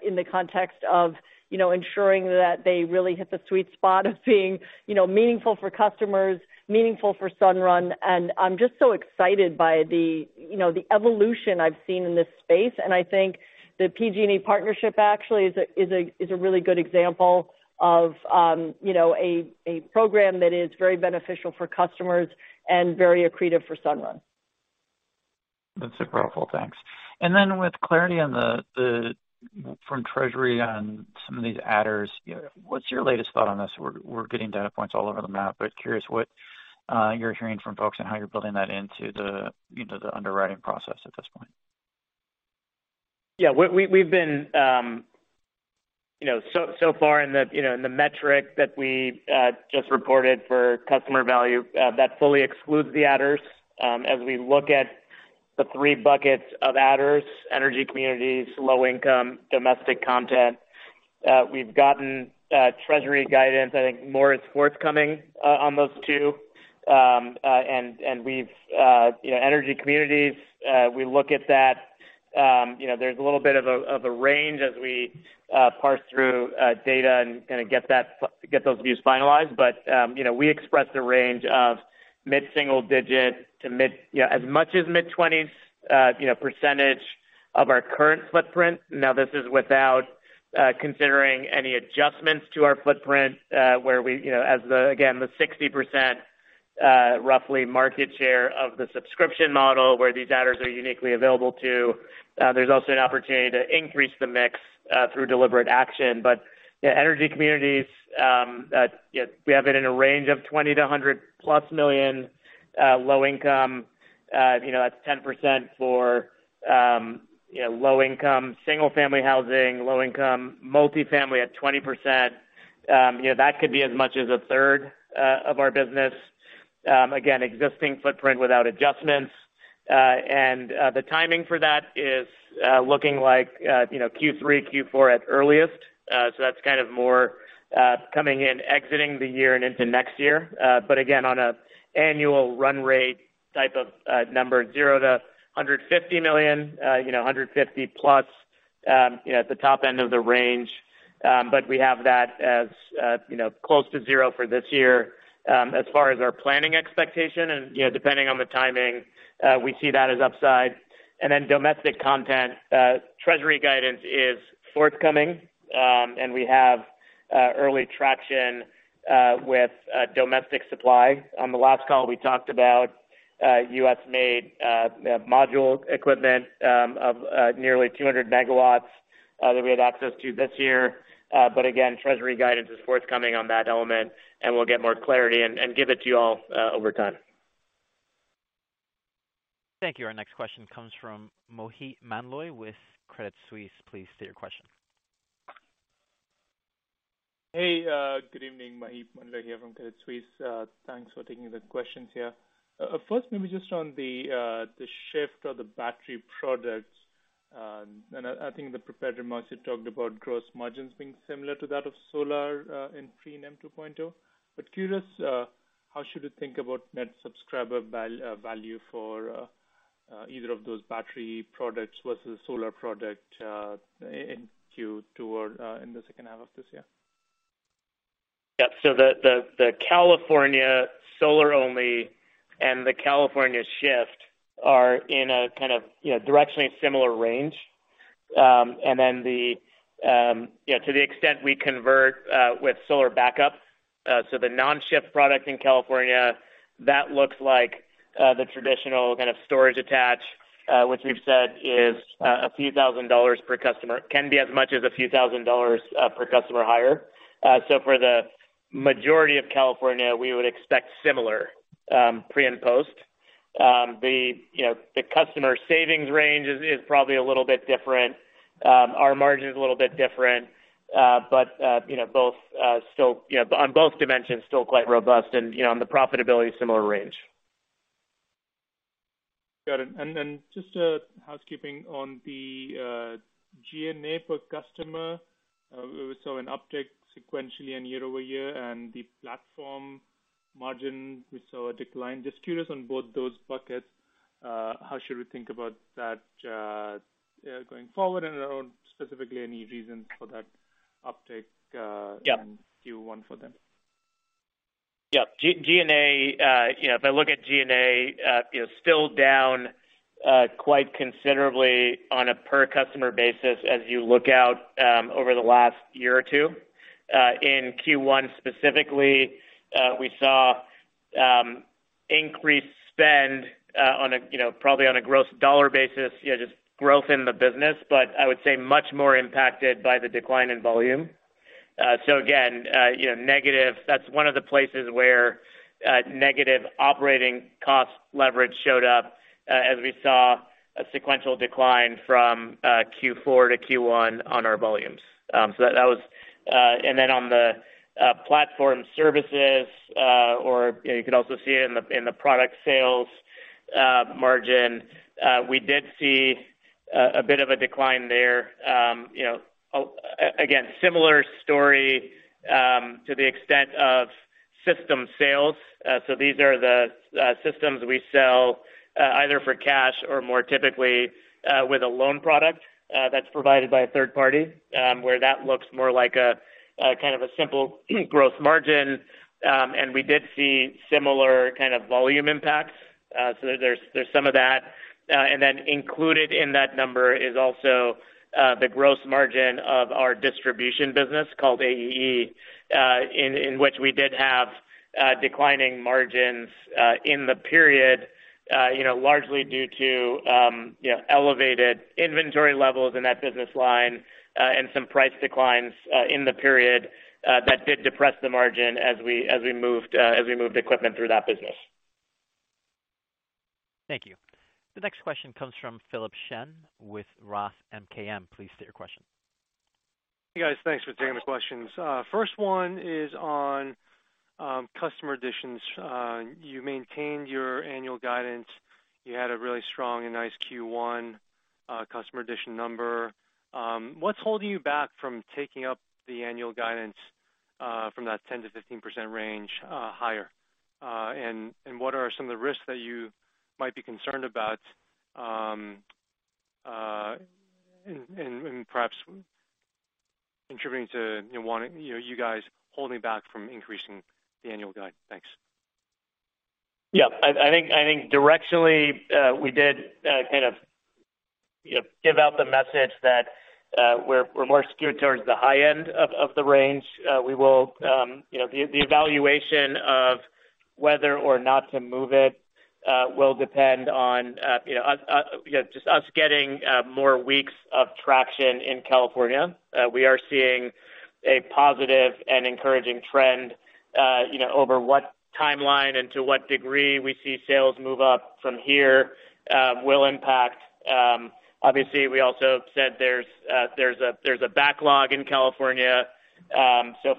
Speaker 3: in the context of, you know, ensuring that they really hit the sweet spot of being, you know, meaningful for customers, meaningful for Sunrun. I'm just so excited by the, you know, the evolution I've seen in this space. I think the PG&E partnership actually is a, is a, is a really good example of, a program that is very beneficial for customers and very accretive for Sunrun.
Speaker 11: That's super helpful. Thanks. With clarity on the from treasury on some of these adders, you know, what's your latest thought on this? We're getting data points all over the map, but curious what you're hearing from folks and how you're building that into the, into the underwriting process at this point.
Speaker 5: Yeah. We've been, you know, so far in the, you know, in the metric that we just reported for customer value, that fully excludes the adders. As we look at the three buckets of adders, energy communities, low income, domestic content, we've gotten treasury guidance. I think more is forthcoming on those two. And we've, you know, energy communities, we look at that, you know, there's a little bit of a range as we parse through data and kinda get those views finalized. You know, we expressed a range of mid-single digit to you know, as much as mid-twenties, you know, % of our current footprint. This is without considering any adjustments to our footprint, where we, you know, as the, again, the 60% roughly market share of the subscription model where these adders are uniquely available to. There's also an opportunity to increase the mix through deliberate action. Yeah, energy communities, you know, we have it in a range of $20 million-$100+ million, low income. You know, that's 10% for, you know, low income single-family housing, low income multi-family at 20%. You know, that could be as much as a third of our business. Again, existing footprint without adjustments. The timing for that is looking like, you know, Q3, Q4 at earliest. That's kind of more coming in exiting the year and into next year. Again, on an annual run rate type of number, $0-$150 million, you know, $150+, you know, at the top end of the range. We have that as, you know, close to 0 for this year, as far as our planning expectation. You know, depending on the timing, we see that as upside. Domestic content, Treasury guidance is forthcoming, we have early traction with domestic supply. On the last call, we talked about US-made module equipment of nearly 200 MW that we have access to this year. Again, Treasury guidance is forthcoming on that element, and we'll get more clarity and give it to you all over time.
Speaker 1: Thank you. Our next question comes from Maheep Mandloi with Credit Suisse. Please state your question.
Speaker 12: Hey, good evening. Maheep Mandloi here from Credit Suisse. Thanks for taking the questions here. First maybe just on the Shift of the battery products. And I think in the prepared remarks, you talked about gross margins being similar to that of solar in pre NEM 2.0. Curious, how should we think about Net Subscriber Value for either of those battery products versus solar product in Q2 or in the second half of this year?
Speaker 5: The California solar only and the California Shift are in a kind of, you know, directionally similar range. The, you know, to the extent we convert with solar backup, so the non-Shift product in California, that looks like the traditional kind of storage attach, which we've said is a few thousand dollars per customer. Can be as much as a few thousand dollars per customer higher. For the majority of California, we would expect similar pre and post. The, you know, the customer savings range is probably a little bit different. Our margin's a little bit different. Both still, you know, on both dimensions still quite robust and, you know, on the profitability similar range.
Speaker 12: Got it. Just a housekeeping on the G&A per customer. We saw an uptick sequentially and year-over-year, and the platform margin, we saw a decline. Just curious on both those buckets, how should we think about that going forward? Specifically any reasons for that uptick?
Speaker 5: Yeah.
Speaker 12: In Q1 for them?
Speaker 5: Yeah. G&A, you know, if I look at G&A, you know, still down quite considerably on a per customer basis as you look out over the last year or two. In Q1 specifically, we saw increased spend on a, you know, probably on a gross dollar basis, you know, just growth in the business, but I would say much more impacted by the decline in volume. Again, you know, negative. That's one of the places where negative operating cost leverage showed up as we saw a sequential decline from Q4 to Q1 on our volumes. That was. On the platform services, or, you know, you could also see it in the product sales margin, we did see a bit of a decline there. You know, again, similar story to the extent of system sales. These are the systems we sell either for cash or more typically with a loan product that's provided by a third party, where that looks more like a kind of a simple gross margin. We did see similar kind of volume impacts. There's some of that. Then included in that number is also the gross margin of our distribution business called AEE, in which we did have declining margins in the period, you know, largely due to, you know, elevated inventory levels in that business line and some price declines in the period that did depress the margin as we moved equipment through that business.
Speaker 1: Thank you. The next question comes from Philip Shen with Roth MKM. Please state your question.
Speaker 13: Hey, guys. Thanks for taking the questions. First one is on customer additions. You maintained your annual guidance. You had a really strong and nice Q1 customer addition number. What's holding you back from taking up the annual guidance from that 10%-15% range higher? What are some of the risks that you might be concerned about in perhaps contributing to, you know, wanting you guys holding back from increasing the annual guide? Thanks.
Speaker 5: Yeah. I think directionally, we did, you know, give out the message that we're more skewed towards the high end of the range. We will, you know, the evaluation of whether or not to move it will depend on, you know, just us getting more weeks of traction in California. We are seeing a positive and encouraging trend. You know, over what timeline and to what degree we see sales move up from here will impact. Obviously, we also said there's a backlog in California.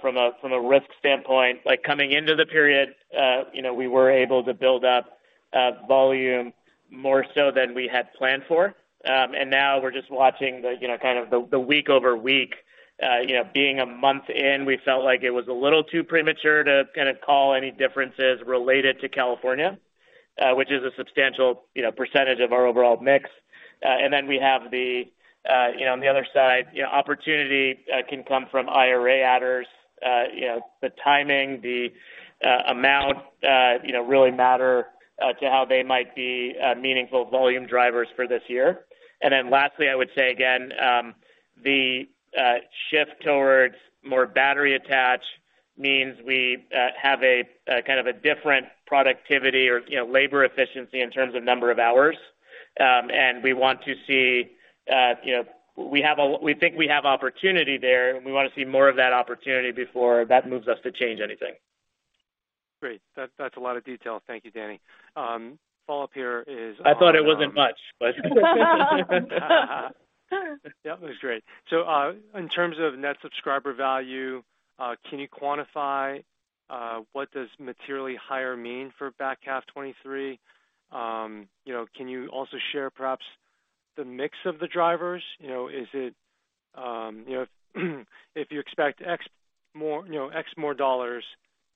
Speaker 5: From a risk standpoint, like, coming into the period, you know, we were able to build up volume more so than we had planned for. Now we're just watching the, you know, kind of the week-over-week. You know, being a month in, we felt like it was a little too premature to kind of call any differences related to California, which is a substantial, you know, percentage of our overall mix. Then we have the, you know, on the other side, you know, opportunity can come from IRA adders, you know, the timing, the amount, you know, really matter to how they might be meaningful volume drivers for this year. Then lastly, I would say again, the shift towards more battery attach means we have a kind of a different productivity or, you know, labor efficiency in terms of number of hours. We want to see, you know, we think we have opportunity there, and we wanna see more of that opportunity before that moves us to change anything.
Speaker 13: Great. That's a lot of details. Thank you, Danny. Follow-up here.
Speaker 5: I thought it wasn't much.
Speaker 13: Yeah, it was great. In terms of Net Subscriber Value, can you quantify, what does materially higher mean for back half 2023? You know, can you also share perhaps the mix of the drivers? You know, is it, you know, if you expect X more, you know, X more dollars,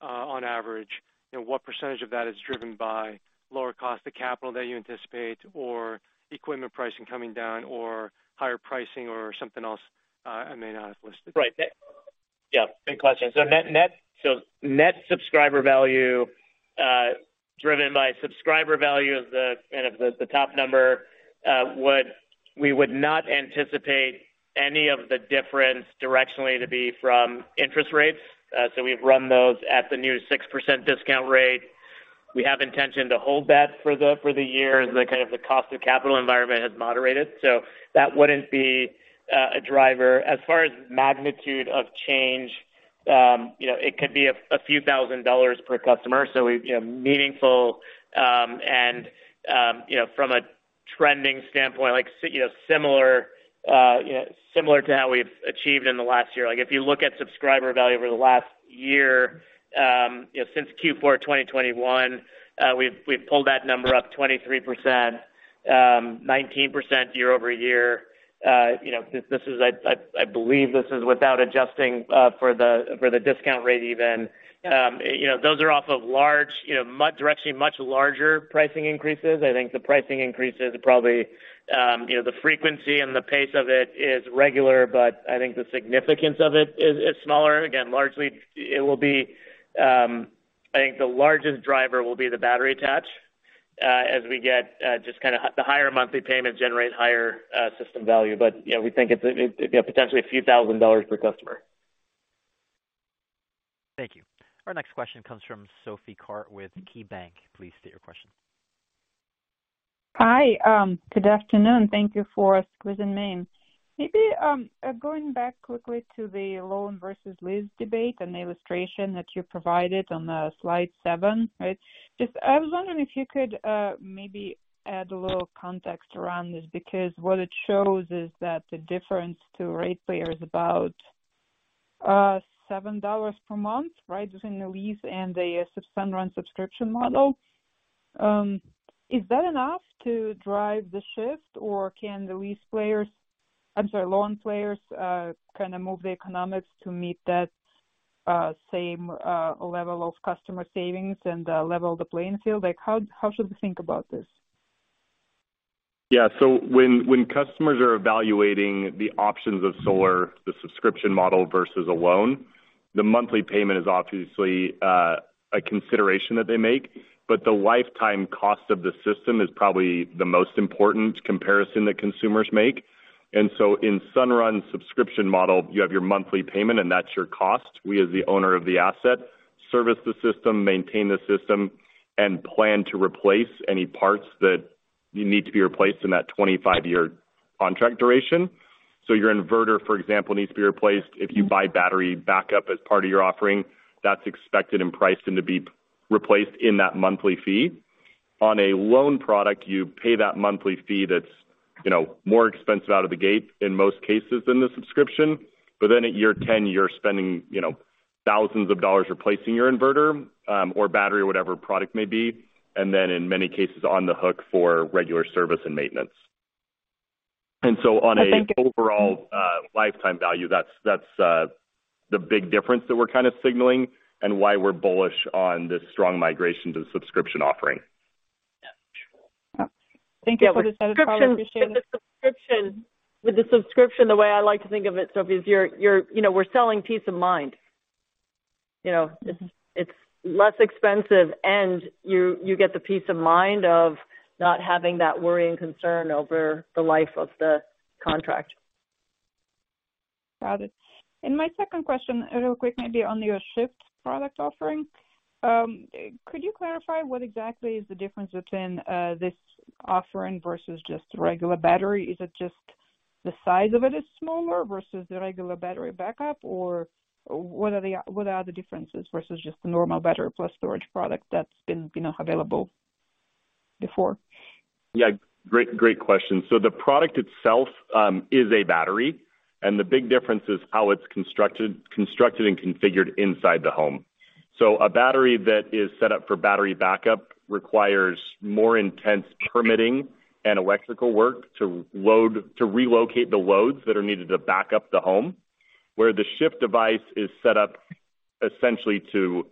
Speaker 13: on average, you know, what % of that is driven by lower cost of capital that you anticipate or equipment pricing coming down or higher pricing or something else, I may not have listed?
Speaker 5: Right. Yeah, good question. Net Subscriber Value, driven by Subscriber Value is the kind of the top number. We would not anticipate any of the difference directionally to be from interest rates. We've run those at the new 6% discount rate. We have intention to hold that for the year as like kind of the cost of capital environment has moderated. That wouldn't be a driver. As far as magnitude of change, you know, it could be a few thousand dollars per customer. We, you know, meaningful, and, you know, from a trending standpoint, like you know, similar, you know, similar to how we've achieved in the last year. If you look at Subscriber Value over the last year, you know, since Q4 of 2021, we've pulled that number up 23%, 19% year-over-year. You know, this is I believe this is without adjusting for the discount rate even. You know, those are off of large, you know, directionally much larger pricing increases. I think the pricing increases probably, you know, the frequency and the pace of it is regular, but I think the significance of it is smaller. Again, largely it will be, I think the largest driver will be the battery attach, as we get, just kinda the higher monthly payments generate higher system value. You know, we think it's, you know, potentially a few thousand dollars per customer.
Speaker 1: Thank you. Our next question comes from Sophie Karp with KeyBanc. Please state your question.
Speaker 14: Hi. Good afternoon. Thank you for squeezing me in. Maybe, going back quickly to the loan versus lease debate and the illustration that you provided on the slide 7, right? I was wondering if you could, maybe add a little context around this, because what it shows is that the difference to rate payer is about $7 per month, right? Between the lease and the Sunrun subscription model. Is that enough to drive the shift or can the loan players, kind of move the economics to meet that, same, level of customer savings and, level the playing field? How should we think about this?
Speaker 4: When customers are evaluating the options of solar, the subscription model versus a loan, the monthly payment is obviously a consideration that they make, the lifetime cost of the system is probably the most important comparison that consumers make. In Sunrun subscription model, you have your monthly payment and that's your cost. We, as the owner of the asset, service the system, maintain the system, and plan to replace any parts that need to be replaced in that 25-year contract duration. Your inverter, for example, needs to be replaced. If you buy battery backup as part of your offering, that's expected and priced in to be replaced in that monthly fee. On a loan product, you pay that monthly fee that's, you know, more expensive out of the gate in most cases than the subscription. At year 10, you're spending, you know, $ thousands replacing your inverter, or battery or whatever product may be, and then in many cases on the hook for regular service and maintenance.
Speaker 14: Thank you.
Speaker 4: Overall, lifetime value, that's the big difference that we're kind of signaling and why we're bullish on this strong migration to the subscription offering.
Speaker 14: Yeah, sure. Thank you for the
Speaker 3: Yeah. With the subscription, the way I like to think of it, Sophie, is you're, you know, we're selling peace of mind. You know, it's less expensive, and you get the peace of mind of not having that worry and concern over the life of the contract.
Speaker 14: Got it. My second question, real quick, maybe on your Shift product offering. Could you clarify what exactly is the difference between this offering versus just regular battery? Is it just the size of it is smaller versus the regular battery backup? Or what are the differences versus just the normal battery plus storage product that's been, you know, available before?
Speaker 4: Great, great question. The product itself is a battery, and the big difference is how it's constructed and configured inside the home. A battery that is set up for battery backup requires more intense permitting and electrical work to relocate the loads that are needed to back up the home. Where the Shift device is set up essentially to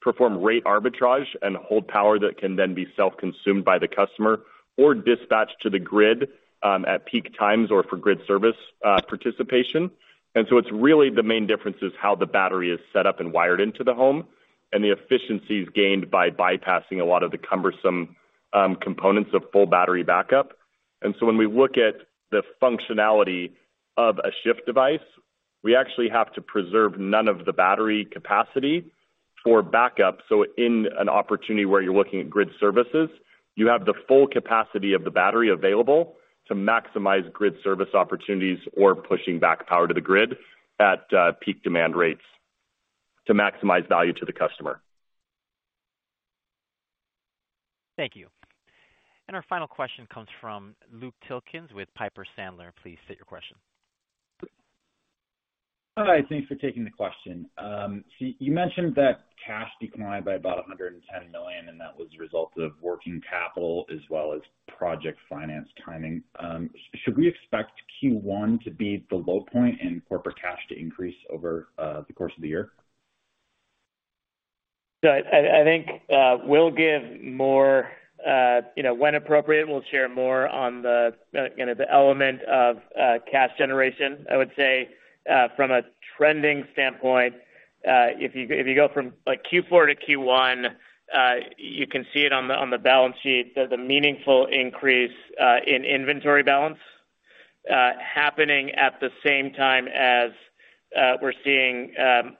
Speaker 4: perform rate arbitrage and hold power that can then be self-consumed by the customer or dispatched to the grid at peak times or for grid service participation. It's really the main difference is how the battery is set up and wired into the home and the efficiencies gained by bypassing a lot of the cumbersome components of full battery backup. When we look at the functionality of a Shift device, we actually have to preserve none of the battery capacity for backup. In an opportunity where you're looking at grid services, you have the full capacity of the battery available to maximize grid service opportunities or pushing back power to the grid at peak demand rates to maximize value to the customer.
Speaker 1: Thank you. Our final question comes from Luke Tilkens with Piper Sandler. Please state your question.
Speaker 15: Hi, thanks for taking the question. You mentioned that cash declined by about $110 million, and that was a result of working capital as well as project finance timing. Should we expect Q1 to be the low point in corporate cash to increase over the course of the year?
Speaker 5: I think, we'll give more, you know, when appropriate, we'll share more on the, you know, the element of cash generation. I would say, from a trending standpoint, if you, if you go from like Q4 to Q1, you can see it on the, on the balance sheet. There's a meaningful increase in inventory balance, happening at the same time as we're seeing,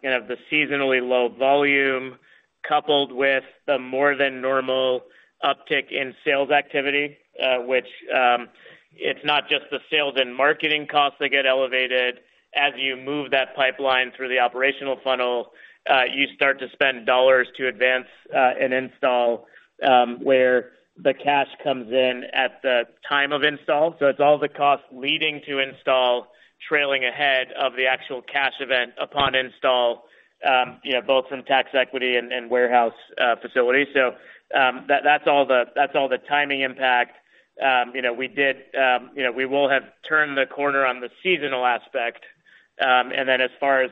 Speaker 5: you know, the seasonally low volume coupled with the more than normal uptick in sales activity. Which, it's not just the sales and marketing costs that get elevated. As you move that pipeline through the operational funnel, you start to spend dollars to advance an install, where the cash comes in at the time of install. It's all the costs leading to install trailing ahead of the actual cash event upon install, you know, both from tax equity and warehouse facilities. That's all the timing impact. You know, we will have turned the corner on the seasonal aspect. As far as,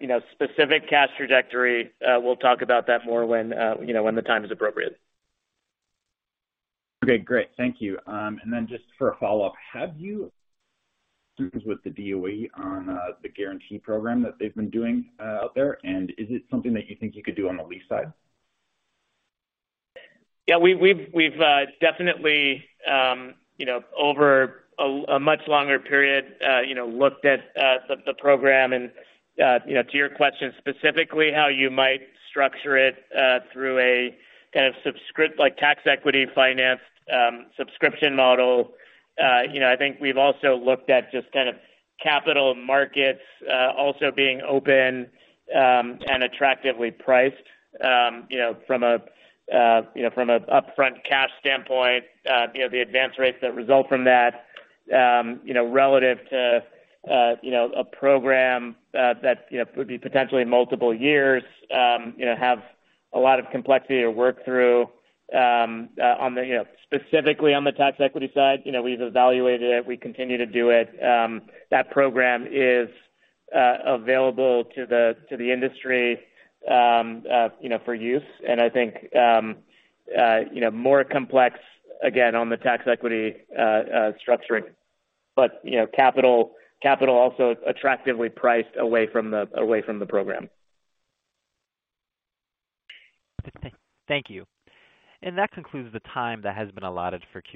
Speaker 5: you know, specific cash trajectory, we'll talk about that more when, you know, when the time is appropriate.
Speaker 15: Okay, great. Thank you. Just for a follow-up, have you with the DOE on the guarantee program that they've been doing out there? Is it something that you think you could do on the lease side?
Speaker 5: Yeah. We've definitely, you know, over a much longer period, you know, looked at the program and, you know, to your question, specifically how you might structure it through a kind of subscript, like tax equity finance, subscription model. You know, I think we've also looked at just kind of capital markets also being open and attractively priced, you know, from a, you know, from an upfront cash standpoint, you know, the advance rates that result from that, you know, relative to, you know, a program that, you know, could be potentially multiple years, you know, have a lot of complexity to work through on the tax equity side. You know, we've evaluated it. We continue to do it. That program is available to the industry, you know, for use. I think, you know, more complex, again, on the tax equity structuring. You know, capital also attractively priced away from the program.
Speaker 1: Thank you. That concludes the time that has been allotted for Q&A.